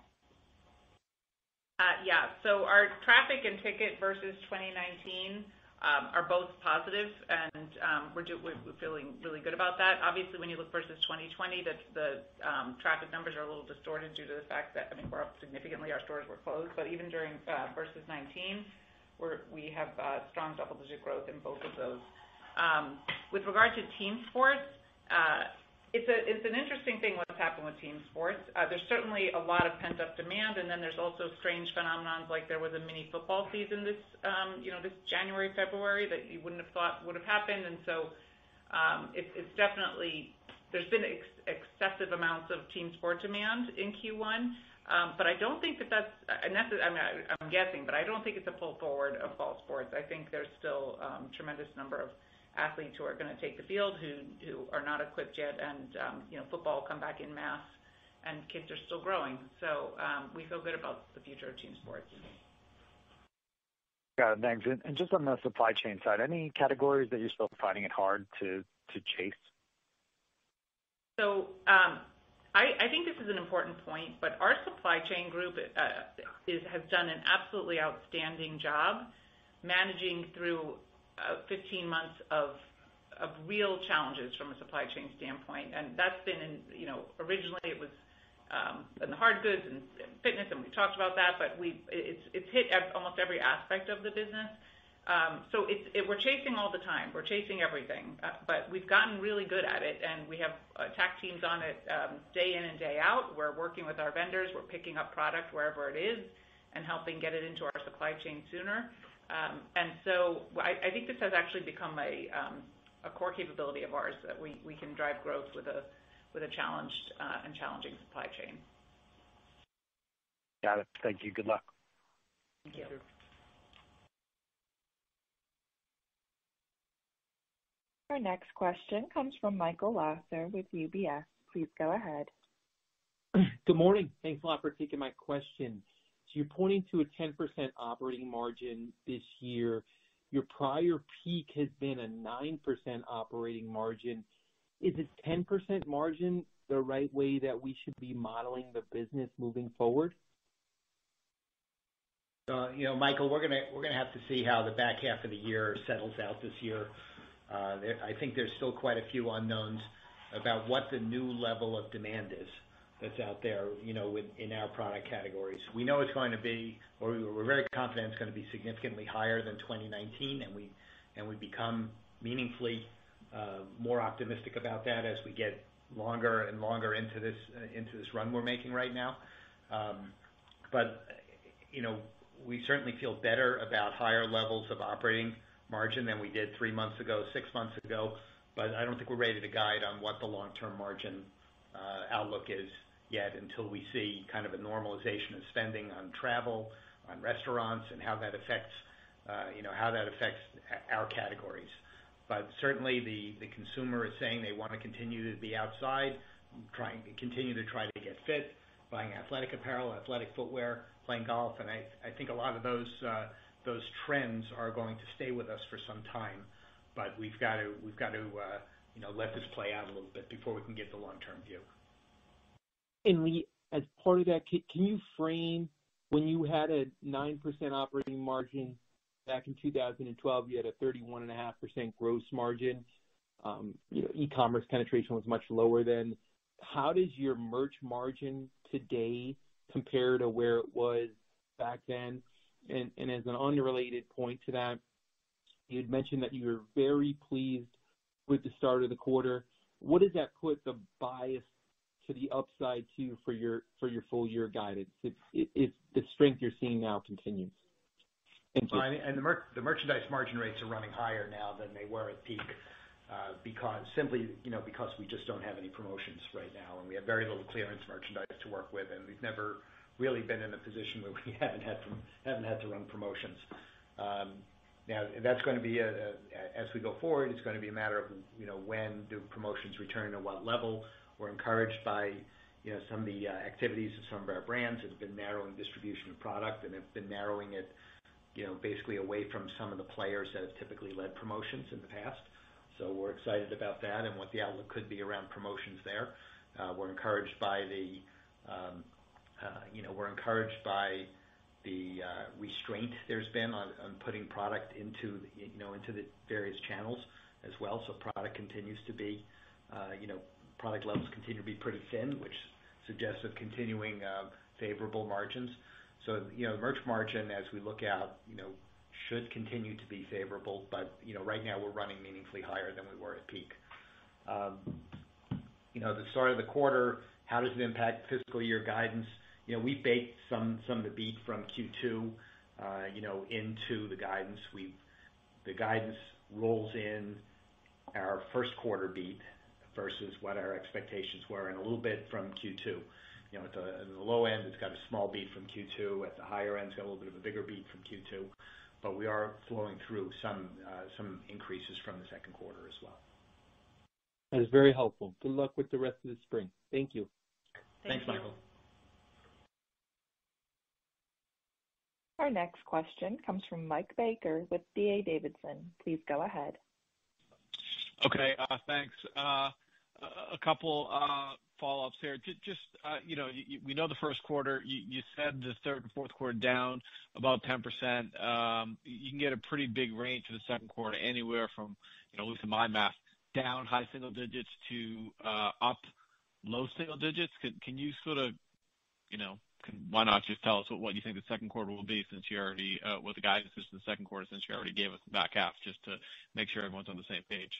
Yeah. Our traffic and ticket versus 2019 are both positive, and we're feeling really good about that. Obviously, when you look versus 2020, the traffic numbers are a little distorted due to the fact that, I mean, we're up significantly. Our stores were closed. Even versus 2019, we have strong double-digit growth in both of those. With regard to team sports, it's an interesting thing what's happened with team sports. There's certainly a lot of pent-up demand, and then there's also strange phenomenons like there was a mini football season this January, February, that you wouldn't have thought would have happened. There's been excessive amounts of team sport demand in Q1. I'm guessing, but I don't think it's a pull forward of fall sports. I think there's still a tremendous number of athletes who are going to take the field who are not equipped yet, football come back en masse, and kids are still growing. We feel good about the future of team sports. Got it. Thanks. Just on the supply chain side, any categories that you're still finding it hard to chase? I think this is an important point. Our supply chain group has done an absolutely outstanding job managing through 15 months of real challenges from a supply chain standpoint. That's been, originally it was in the hard goods and fitness, and we've talked about that, but it's hit almost every aspect of the business. We're chasing all the time. We're chasing everything. We've gotten really good at it, and we have attack teams on it day in and day out. We're working with our vendors. We're picking up product wherever it is and helping get it into our supply chain sooner. I think this has actually become a core capability of ours that we can drive growth with a challenged and challenging supply chain. Got it. Thank you. Good luck. Thank you. Our next question comes from Michael Lasser with UBS. Please go ahead. Good morning. Thanks a lot for taking my question. You're pointing to a 10% operating margin this year. Your prior peak has been a 9% operating margin. Is a 10% margin the right way that we should be modeling the business moving forward? Michael, we're going to have to see how the back half of the year settles out this year. I think there's still quite a few unknowns about what the new level of demand is that's out there, in our product categories. We know it's going to be, or we're very confident it's going to be significantly higher than 2019, and we become meaningfully more optimistic about that as we get longer and longer into this run we're making right now. We certainly feel better about higher levels of operating margin than we did three months ago, six months ago. I don't think we're ready to guide on what the long-term margin outlook is yet until we see a normalization of spending on travel, on restaurants, and how that affects our categories. Certainly, the consumer is saying they want to continue to be outside, continue to try to get fit, buying athletic apparel, athletic footwear, playing golf. I think a lot of those trends are going to stay with us for some time. We've got to let this play out a little bit before we can give the long-term view. As part of that, can you frame when you had a 9% operating margin back in 2012, you had a 31.5% gross margin. E-commerce penetration was much lower then. How does your merch margin today compare to where it was back then? As an unrelated point to that, you had mentioned that you were very pleased with the start of the quarter. What does that put the bias to the upside too for your full year guidance, if the strength you are seeing now continues? Thank you. The merchandise margin rates are running higher now than they were at peak simply because we just don't have any promotions right now, and we have very little clearance merchandise to work with, and we've never really been in a position where we haven't had to run promotions. As we go forward, it's going to be a matter of when do promotions return and what level. We're encouraged by some of the activities of some of our brands that have been narrowing distribution of product and have been narrowing it basically away from some of the players that have typically led promotions in the past. We're excited about that and what the outlook could be around promotions there. We're encouraged by the restraint there's been on putting product into the various channels as well. Product levels continue to be pretty thin, which suggests a continuing favorable margins. Merch margin, as we look out, should continue to be favorable. Right now, we're running meaningfully higher than we were at peak. The start of the quarter, how does it impact fiscal year guidance? We baked some of the beat from Q2 into the guidance. The guidance rolls in our first quarter beat versus what our expectations were and a little bit from Q2. At the low end, it's got a small beat from Q2. At the higher end, it's got a little bit of a bigger beat from Q2. We are flowing through some increases from the second quarter as well. That is very helpful. Good luck with the rest of the spring. Thank you. Thanks, Michael. Our next question comes from Mike Baker with D.A. Davidson. Please go ahead. Okay, thanks. A couple follow-ups here. We know the first quarter. You said the third and fourth quarter down about 10%. You can get a pretty big range for the second quarter, anywhere from, losing my math, down high single digits to up low single digits. Why not just tell us what you think the second quarter will be? Well, the guidance is for the second quarter, since you already gave us the back half, just to make sure everyone's on the same page.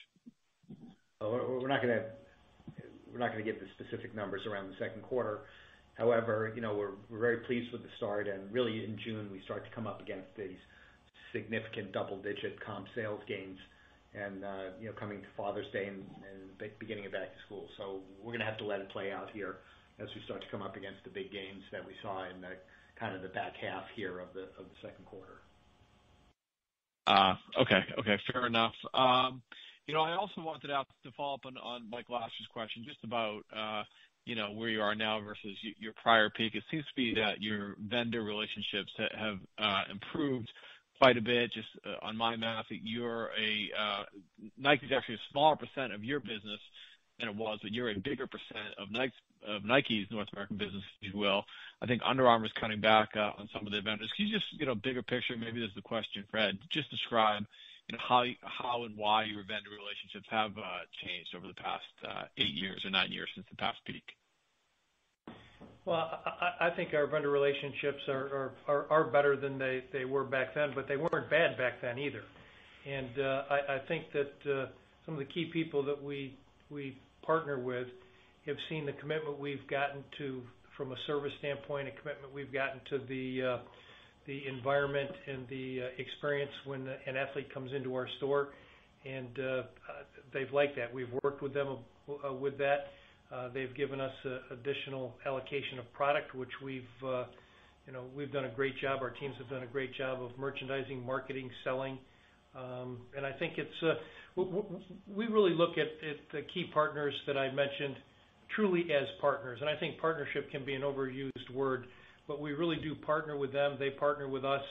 We're not going to give the specific numbers around the second quarter. We're very pleased with the start, and really in June, we start to come up against these significant double-digit comp sales gains and coming to Father's Day and the beginning of back to school. We're going to have to let it play out here as we start to come up against the big gains that we saw in the back half here of the second quarter. Okay. Fair enough. I also wanted to follow up on Mike Lasser's question just about where you are now versus your prior peak. It seems to be that your vendor relationships have improved quite a bit. Just on my math, Nike's actually a smaller percent of your business than it was, but you're a bigger percent of Nike's North American business, if you will. I think Under Armour is cutting back on some of the vendors. Can you just, bigger picture, maybe this is the question for Ed, just describe how and why your vendor relationships have changed over the past eight years or nine years since the past peak. I think our vendor relationships are better than they were back then, but they weren't bad back then either. I think that some of the key people that we partner with have seen the commitment we've gotten to from a service standpoint, a commitment we've gotten to the environment and the experience when an athlete comes into our store, and they've liked that. We've worked with them with that. They've given us additional allocation of product. Our teams have done a great job of merchandising, marketing, selling. We really look at the key partners that I mentioned truly as partners, and I think partnership can be an overused word, but we really do partner with them. They partner with us.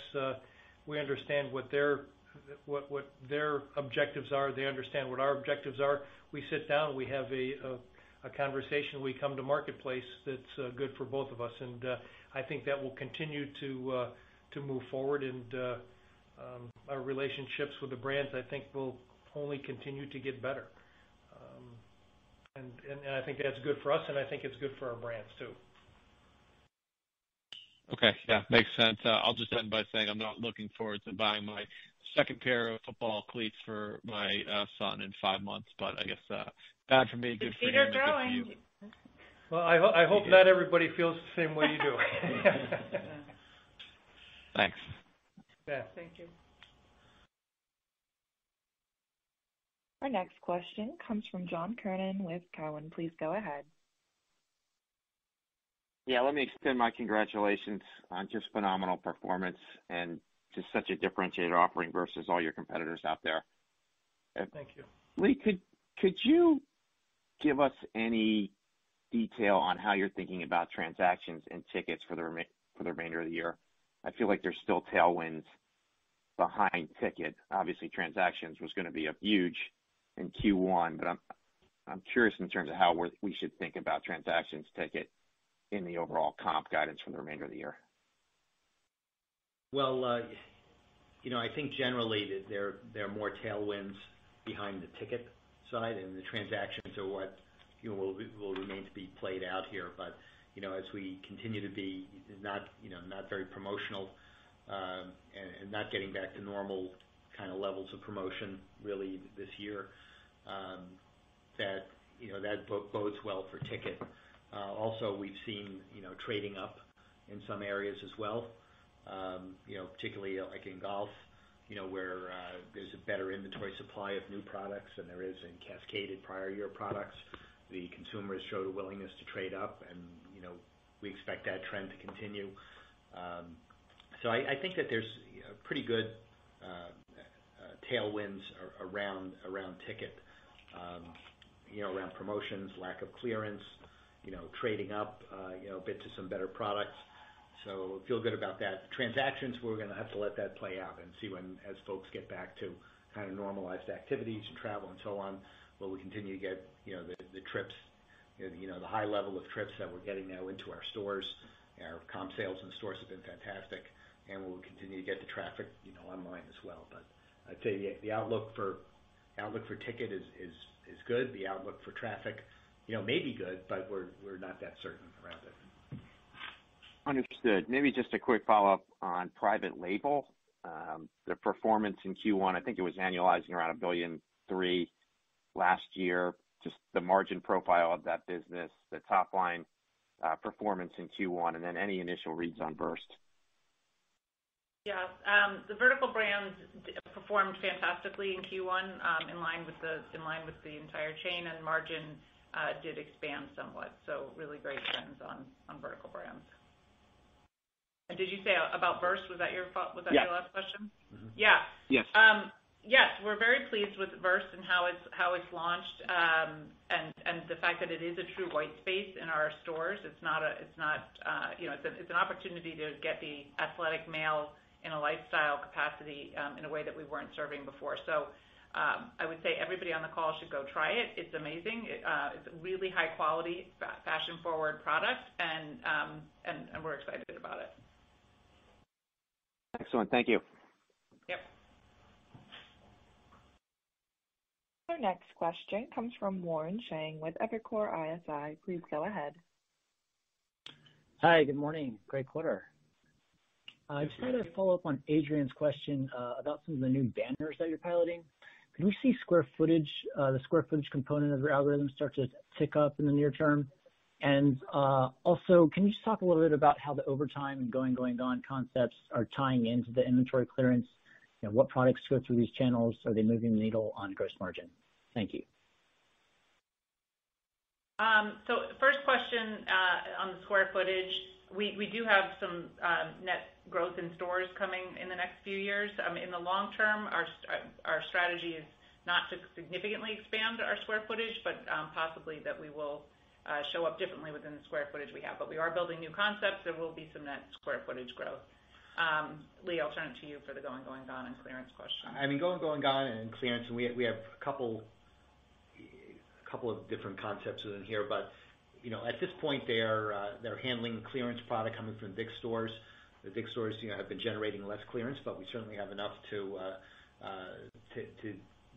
We understand what their objectives are. They understand what our objectives are. We sit down, we have a conversation. We come to marketplace that's good for both of us, and I think that will continue to move forward and our relationships with the brands, I think, will only continue to get better. I think that's good for us, and I think it's good for our brands, too. Okay. Yeah. Makes sense. I'll just end by saying I'm not looking forward to buying my second pair of football cleats for my son in five months, but I guess that could be a good thing for you. It's either growing. Well, I hope not everybody feels the same way you do. Thanks. Thank you. Our next question comes from John Kernan with Cowen. Please go ahead. Yeah. Let me extend my congratulations on just phenomenal performance and just such a differentiated offering versus all your competitors out there. Thank you. Lee, could you give us any detail on how you're thinking about transactions and tickets for the remainder of the year? I feel like there's still tailwinds behind tickets. Obviously, transactions was going to be huge in Q1, but I'm curious in terms of how we should think about transactions ticket in the overall comp guidance for the remainder of the year. I think generally that there are more tailwinds behind the ticket side, and the transactions are what will remain to be played out here. As we continue to be not very promotional, and not getting back to normal levels of promotion really this year, that bodes well for ticket. We've seen trading up in some areas as well, particularly like in golf, where there's a better inventory supply of new products than there is in cascaded prior year products. The consumers show willingness to trade up, and we expect that trend to continue. I think that there's pretty good tailwinds around ticket, around promotions, lack of clearance, trading up, get to some better products. Feel good about that. Transactions, we're going to have to let that play out and see as folks get back to normalized activities and travel and so on, will we continue to get the high level of trips that we're getting now into our stores. Our comparable store sales in stores have been fantastic. Will we continue to get the traffic online as well. I'd say the outlook for ticket is good. The outlook for traffic may be good, we're not that certain for traffic. Understood. Maybe just a quick follow-up on private label, the performance in Q1, I think it was annualizing around $1.3 billion last year, just the margin profile of that business, the top-line performance in Q1, and then any initial reads on VRST? Yeah. The vertical brands performed fantastically in Q1, in line with the entire chain. Margin did expand somewhat. Really great trends on vertical brands. Did you say about VRST? Was that your last question? Yeah. Yeah. Yes. We're very pleased with VRST and how it's launched, and the fact that it is a true white space in our stores. It's an opportunity to get the athletic male in a lifestyle capacity in a way that we weren't serving before. I would say everybody on the call should go try it. It's amazing. It's a really high-quality, fashion-forward product, and we're excited about it. Excellent. Thank you. Yep. Our next question comes from Warren Cheng with Evercore ISI. Please go ahead. Hi. Good morning. Great quarter. Thanks. Just wanted to follow up on Adrienne's question about some of the new banners that you're piloting. Do you see the square footage component of your algorithm start to tick up in the near term? Can you just talk a little bit about how the OVERTIME and Going, Gone! concepts are tying into the inventory clearance? What products go through these channels? Are they moving the needle on gross margin? Thank you. First question on square footage. We do have some net growth in stores coming in the next few years. In the long term, our strategy is not to significantly expand our square footage, but possibly that we will show up differently within the square footage we have. We are building new concepts. There will be some net square footage growth. Lee, I'll turn it to you for the Going, Gone! and clearance question. On Going, Gone! and clearance, we have a couple of different concepts in here. At this point, they're handling the clearance product coming from DICK'S stores. The DICK'S stores have been generating less clearance, but we certainly have enough to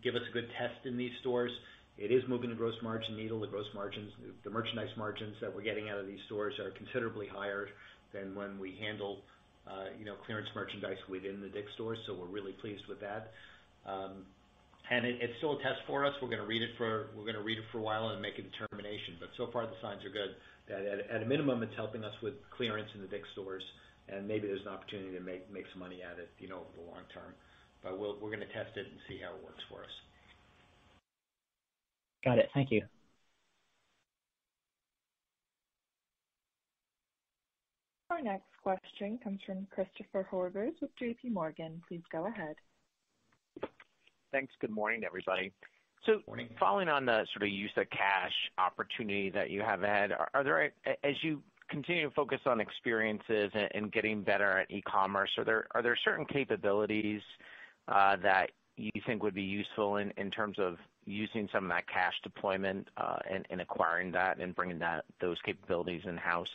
give us a good test in these stores. It is moving the gross margin needle. The merchandise margins that we're getting out of these stores are considerably higher than when we handle clearance merchandise within the DICK'S stores. We're really pleased with that. It's still a test for us. We're going to read it for a while and make a determination, but so far the signs are good. At a minimum, it's helping us with clearance in the DICK'S stores, and maybe there's an opportunity to make some money at it over the long term. We're going to test it and see how it works for us. Got it. Thank you. Our next question comes from Christopher Horvers with JPMorgan. Please go ahead. Thanks. Good morning, everybody. Good morning. Following on the use of cash opportunity that you have had, as you continue to focus on experiences and getting better at e-commerce, are there certain capabilities that you think would be useful in terms of using some of that cash deployment and acquiring that and bringing those capabilities in-house?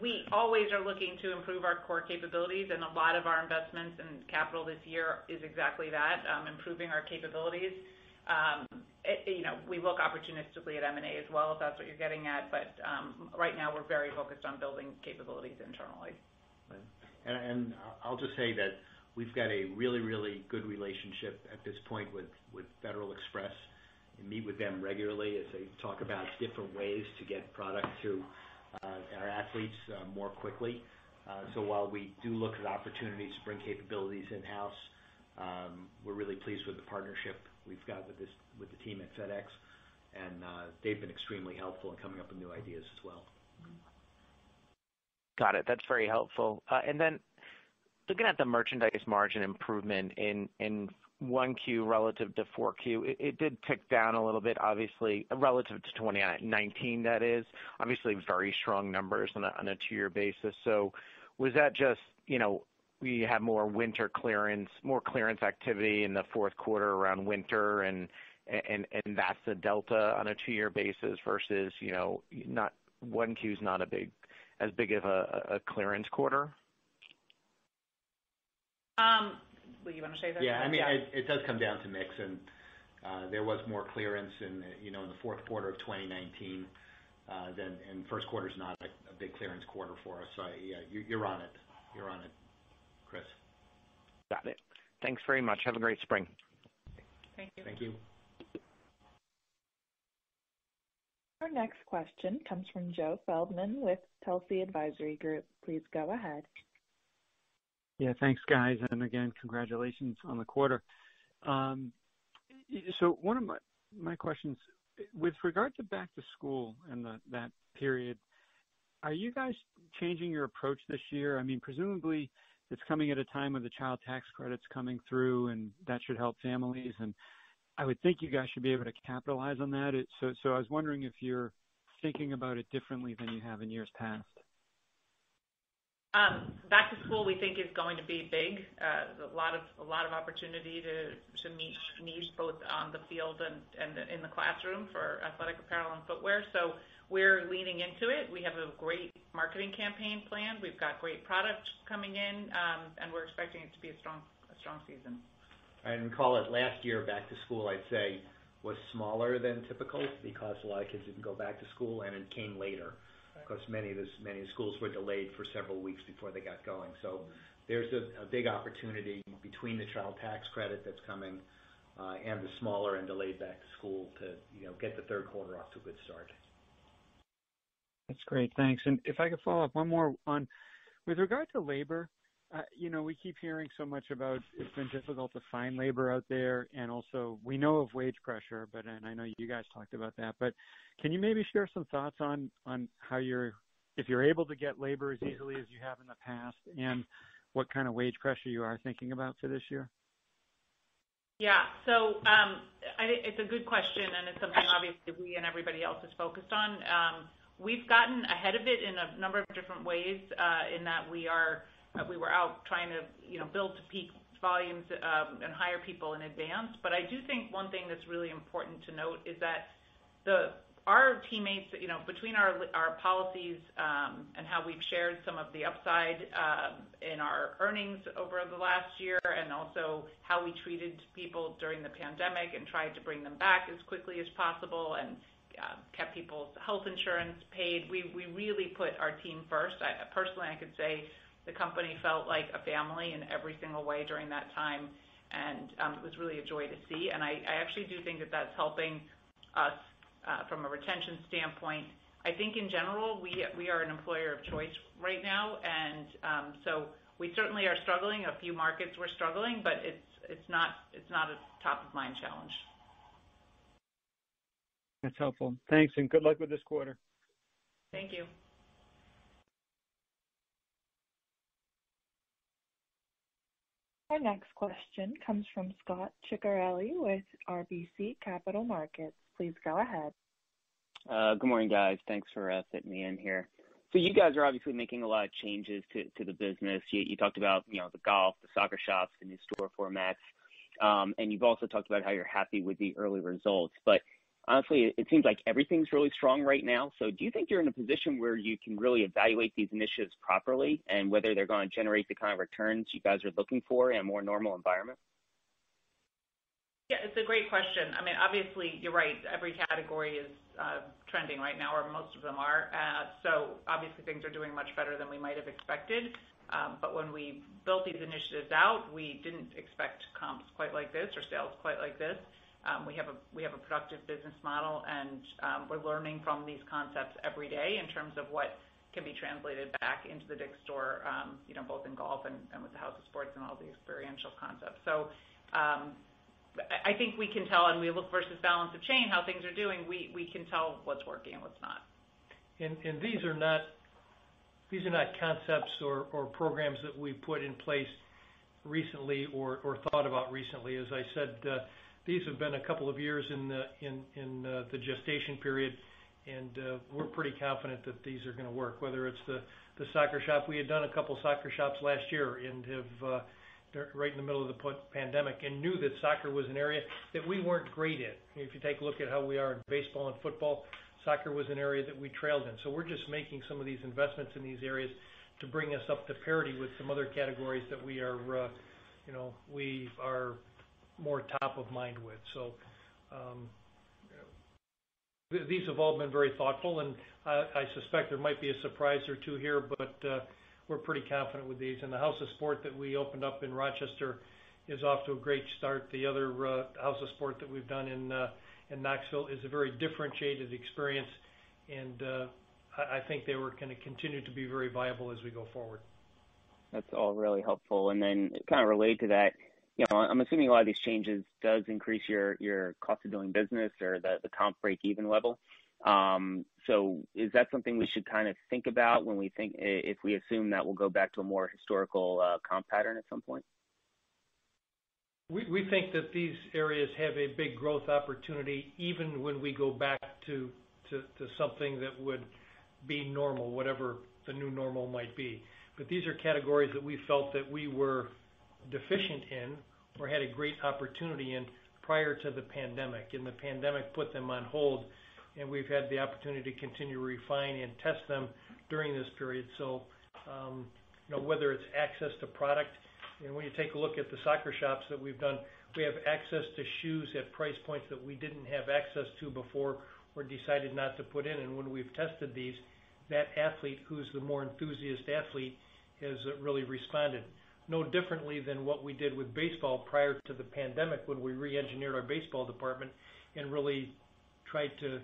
We always are looking to improve our core capabilities, and a lot of our investments in capital this year is exactly that, improving our capabilities. We look opportunistically at M&A as well, if that's what you're getting at. Right now, we're very focused on building capabilities internally. I'll just say that we've got a really, really good relationship at this point with Federal Express, and meet with them regularly as they talk about different ways to get product to our athletes more quickly. While we do look at opportunities to bring capabilities in-house, we're really pleased with the partnership we've got with the team at FedEx. They've been extremely helpful in coming up with new ideas as well. Got it. That's very helpful. Looking at the merchandise margin improvement in Q1 relative to Q4, it did tick down a little bit, obviously, relative to 2019 that is. Obviously very strong numbers on a two-year basis. Was that just, we had more winter clearance, more clearance activity in the Q4 around winter and that's the delta on a two-year basis versus Q1 is not as big of a clearance quarter? Well, you want to say that? Yeah. It does come down to mix and there was more clearance in the fourth quarter of 2019. First quarter is not a big clearance quarter for us. Yeah, you're on it, Chris. Got it. Thanks very much. Have a great spring. Thank you. Thank you. Our next question comes from Joe Feldman with Telsey Advisory Group. Please go ahead. Yeah. Thanks, guys, and again, congratulations on the quarter. One of my questions, with regard to back to school and that period, are you guys changing your approach this year? Presumably it's coming at a time when the Child Tax Credit's coming through, and that should help families, and I would think you guys should be able to capitalize on that. I was wondering if you're thinking about it differently than you have in years past. Back to school, we think, is going to be big. There's a lot of opportunity to meet needs both on the field and in the classroom for athletic apparel and footwear. We're leaning into it. We have a great marketing campaign planned. We've got great product coming in. We're expecting it to be a strong season. Recall that last year, back to school, I'd say, was smaller than typical because a lot of kids didn't go back to school, and it came later. Many schools were delayed for several weeks before they got going. There's a big opportunity between the Child Tax Credit that's coming, and the smaller and delayed back to school to get the third quarter off to a good start. That's great. Thanks. If I could follow up one more on with regard to labor. We keep hearing so much about it's been difficult to find labor out there, and also we know of wage pressure, and I know you guys talked about that. Can you maybe share some thoughts on if you're able to get labor as easily as you have in the past, and what kind of wage pressure you are thinking about for this year? Yeah. It's a good question, and it's something obviously we and everybody else is focused on. We've gotten ahead of it in a number of different ways, in that we were out trying to build to peak volumes, and hire people in advance. I do think one thing that's really important to note is that between our policies, and how we've shared some of the upside in our earnings over the last year, and also how we treated people during the pandemic and tried to bring them back as quickly as possible and kept people's health insurance paid. We really put our team first. Personally, I could say the company felt like a family in every single way during that time. It was really a joy to see, and I actually do think that that's helping us, from a retention standpoint. I think in general, we are an employer of choice right now. We certainly are struggling. A few markets we're struggling, but it's not a top-of-mind challenge. That's helpful. Thanks. Good luck with this quarter. Thank you. Our next question comes from Scot Ciccarelli with RBC Capital Markets. Please go ahead. Good morning, guys. Thanks for fitting me in here. You guys are obviously making a lot of changes to the business. You talked about the golf, the soccer shops, the new store formats. You've also talked about how you're happy with the early results. Honestly, it seems like everything's really strong right now. Do you think you're in a position where you can really evaluate these initiatives properly and whether they're going to generate the kind of returns you guys are looking for in a more normal environment? It's a great question. Obviously, you're right. Every category is trending right now, or most of them are. Obviously things are doing much better than we might have expected. When we built these initiatives out, we didn't expect comps quite like this or sales quite like this. We have a productive business model, and we're learning from these concepts every day in terms of what can be translated back into the DICK'S store, both in golf and with the House of Sport and all the experiential concepts. I think we can tell, and we look versus balance of chain, how things are doing. We can tell what's working and what's not. These are not concepts or programs that we've put in place recently or thought about recently. As I said, these have been a couple of years in the gestation period, and we're pretty confident that these are going to work, whether it's the soccer shop. We had done a couple soccer shops last year right in the middle of the pandemic and knew that soccer was an area that we weren't great at. If you take a look at how we are in baseball and football, soccer was an area that we trailed in. We're just making some of these investments in these areas to bring us up to parity with some other categories that we are more top of mind with. These have all been very thoughtful, and I suspect there might be a surprise or two here, but we're pretty confident with these. The House of Sport that we opened up in Rochester is off to a great start. The other House of Sport that we've done in Knoxville is a very differentiated experience, and I think they are going to continue to be very viable as we go forward. That's all really helpful. kind of related to that, I'm assuming a lot of these changes does increase your cost of doing business or the comp break-even level. Is that something we should think about if we assume that we'll go back to a more historical comp pattern at some point? We think that these areas have a big growth opportunity even when we go back to something that would be normal, whatever the new normal might be. These are categories that we felt that we were deficient in or had a great opportunity in prior to the pandemic, and the pandemic put them on hold, and we've had the opportunity to continue refining and test them during this period. Whether it's access to product, and when you take a look at the soccer shops that we've done, we have access to shoes at price points that we didn't have access to before or decided not to put in. When we've tested these, that athlete who's the more enthusiast athlete has really responded. No differently than what we did with baseball prior to the pandemic when we re-engineered our baseball department and really tried to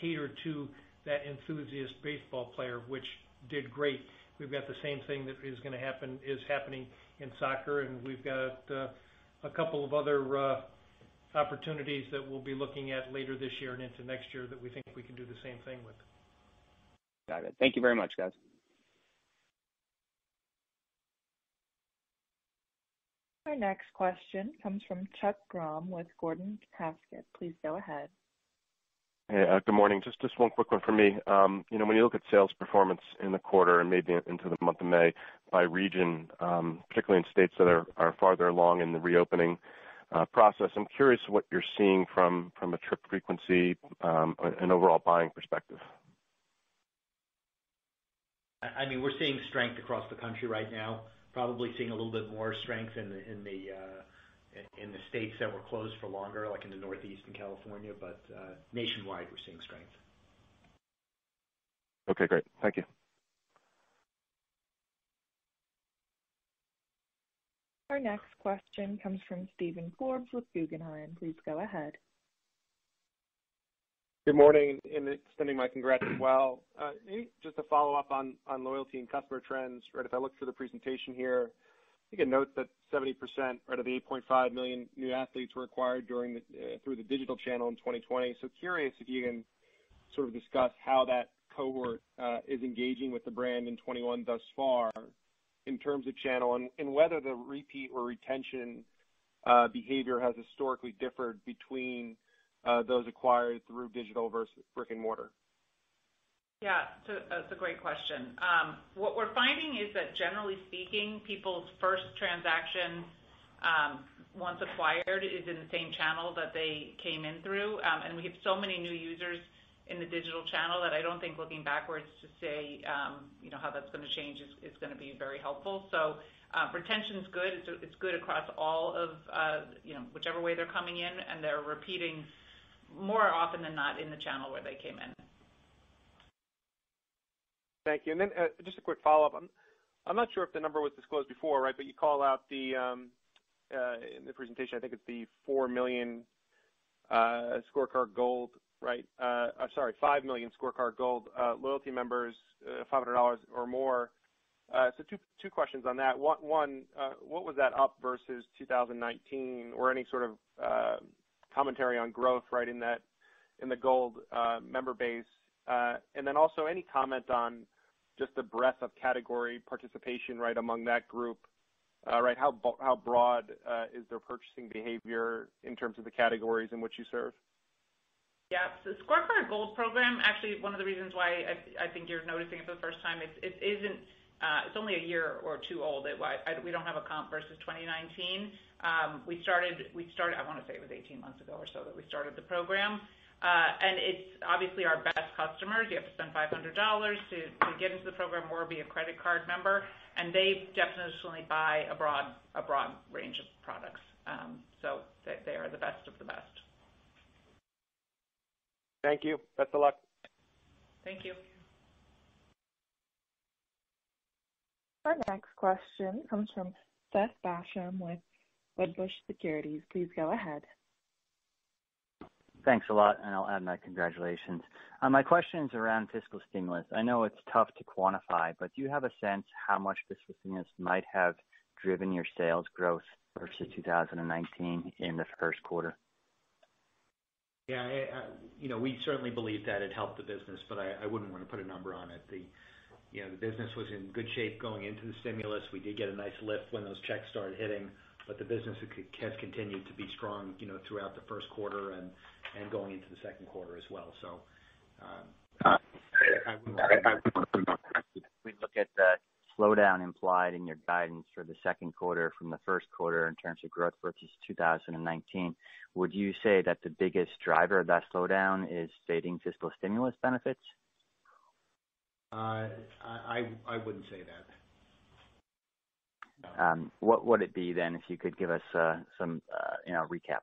cater to that enthusiast baseball player, which did great. We've got the same thing that is happening in soccer, and we've got a couple of other opportunities that we'll be looking at later this year and into next year that we think we can do the same thing with. Got it. Thank you very much, guys. Our next question comes from Chuck Grom with Gordon Haskett. Please go ahead. Hey, good morning. Just one quick one from me. When you look at sales performance in the quarter and maybe into the month of May by region, particularly in states that are farther along in the reopening process, I'm curious what you're seeing from a trip frequency and overall buying perspective? We're seeing strength across the country right now, probably seeing a little bit more strength in the states that were closed for longer, like in the Northeast and California. Nationwide, we're seeing strength. Okay, great. Thank you. Our next question comes from Steven Forbes with Guggenheim. Please go ahead. Good morning, and extending my congrats as well. Just a follow-up on loyalty and customer trends. If I look through the presentation here, I think a note that 70% of the 8.5 million new athletes were acquired through the digital channel in 2020. Curious if you can sort of discuss how that cohort is engaging with the brand in 2021 thus far in terms of channel and whether the repeat or retention behavior has historically differed between those acquired through digital versus brick-and-mortar? Yeah. That's a great question. What we're finding is that generally speaking, people's first transaction once acquired is in the same channel that they came in through. We have so many new users in the digital channel that I don't think looking backwards to say how that's going to change is going to be very helpful. Retention's good. It's good across whichever way they're coming in, and they're repeating more often than not in the channel where they came in. Thank you. Just a quick follow-up. I'm not sure if the number was disclosed before, you call out in the presentation, I think it's the 4 million ScoreCard Gold, right? I'm sorry, 5 million ScoreCard Gold loyalty members, $500 or more. Two questions on that. One, what was that up versus 2019 or any sort of commentary on growth in the Gold member base? Any comment on just the breadth of category participation among that group. How broad is their purchasing behavior in terms of the categories in which you serve? Yeah. The ScoreCard Gold program, actually one of the reasons why I think you're noticing it for the first time, it's only a year or two old. We don't have a comp versus 2019. I want to say it was 18 months ago or so that we started the program. It's obviously our best customer. You have to spend $500 to get into the program or be a credit card member, they definitionally buy a broad range of products. They are the best of the best. Thank you. Best of luck. Thank you. Our next question comes from Seth Basham with Wedbush Securities. Please go ahead. Thanks a lot, and I'll add my congratulations. My question is around fiscal stimulus. I know it's tough to quantify, but do you have a sense how much fiscal stimulus might have driven your sales growth versus 2019 in this first quarter? Yeah. We certainly believe that it helped the business, but I wouldn't want to put a number on it. The business was in good shape going into the stimulus. We did get a nice lift when those checks started hitting, but the business has continued to be strong throughout the first quarter and going into the second quarter as well. If we look at the slowdown implied in your guidance for the second quarter from the first quarter in terms of growth versus 2019, would you say that the biggest driver of that slowdown is fading fiscal stimulus benefits? I wouldn't say that. What would it be then, if you could give us some recap?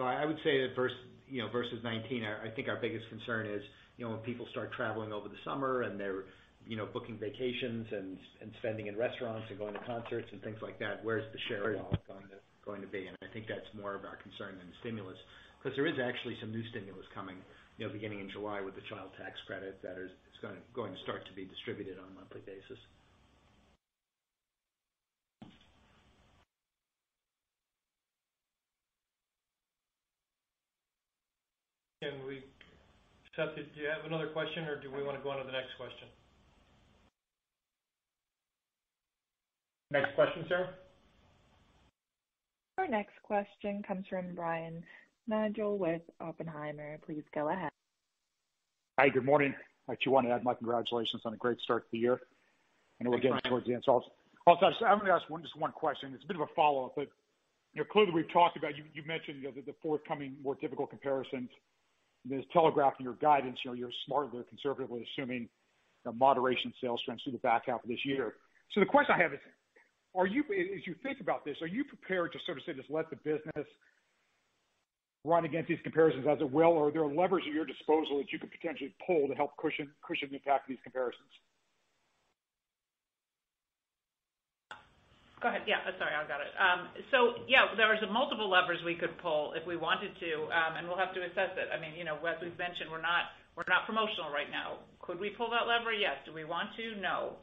I would say that versus 2019, I think our biggest concern is when people start traveling over the summer and they're booking vacations and spending in restaurants and going to concerts and things like that, where's the share of wallet going to be? I think that's more of our concern than stimulus, because there is actually some new stimulus coming beginning in July with the Child Tax Credit that is going to start to be distributed on a monthly basis. Seth, did you have another question or do we want to go on to the next question? Next question, sir. Our next question comes from Brian Nagel with Oppenheimer. Please go ahead. Hi, good morning. I actually want to add my congratulations on a great start to the year. Thanks. We'll get towards the insights. I'm going to ask just one question. It's a bit of a follow-up, but clearly we've talked about, you mentioned the forthcoming more difficult comparisons and the telegraph in your guidance. You're smartly, conservatively assuming moderation sales trends through the back half of this year. The question I have is, as you think about this, are you prepared to sort of just let the business run against these comparisons as it will? Or are there levers at your disposal that you could potentially pull to help cushion the impact of these comparisons? Go ahead. Yeah, sorry, I've got it. Yeah, there are multiple levers we could pull if we wanted to, and we'll have to assess it. As we've mentioned, we're not promotional right now. Could we pull that lever? Yes. Do we want to? No.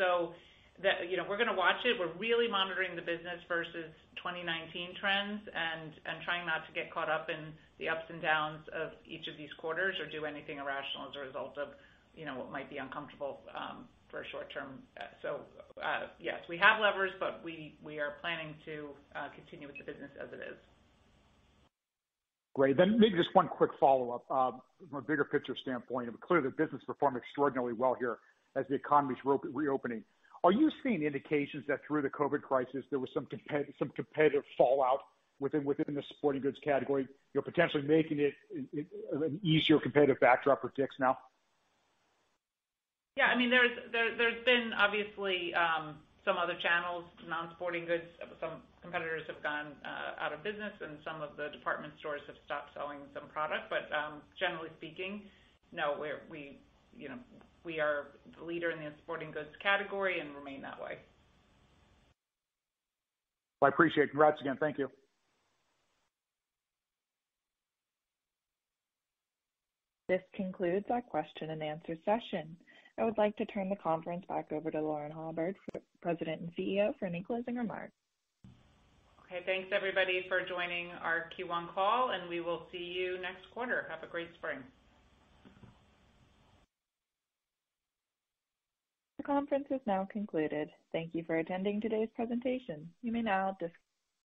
We're going to watch it. We're really monitoring the business versus 2019 trends and trying not to get caught up in the ups and downs of each of these quarters or do anything irrational as a result of what might be uncomfortable for short term. Yes, we have levers, but we are planning to continue with the business as it is. Great. Maybe just one quick follow-up from a bigger picture standpoint. Clearly, the business performed extraordinarily well here as the economy's reopening. Are you seeing indications that through the COVID crisis, there was some competitive fallout within the sporting goods category, potentially making it an easier competitive backdrop for DICK'S now? Yeah, there's been obviously some other channels, non-sporting goods, some competitors have gone out of business and some of the department stores have stopped selling some product. Generally speaking, no, we are the leader in the sporting goods category and remain that way. I appreciate it. Congrats again. Thank you. This concludes our question-and-answer session. I would like to turn the conference back over to Lauren Hobart, President and CEO, for any closing remarks. Okay. Thanks everybody for joining our Q1 call, and we will see you next quarter. Have a great spring. The conference is now concluded. Thank you for attending today's presentation. You may now disconnect.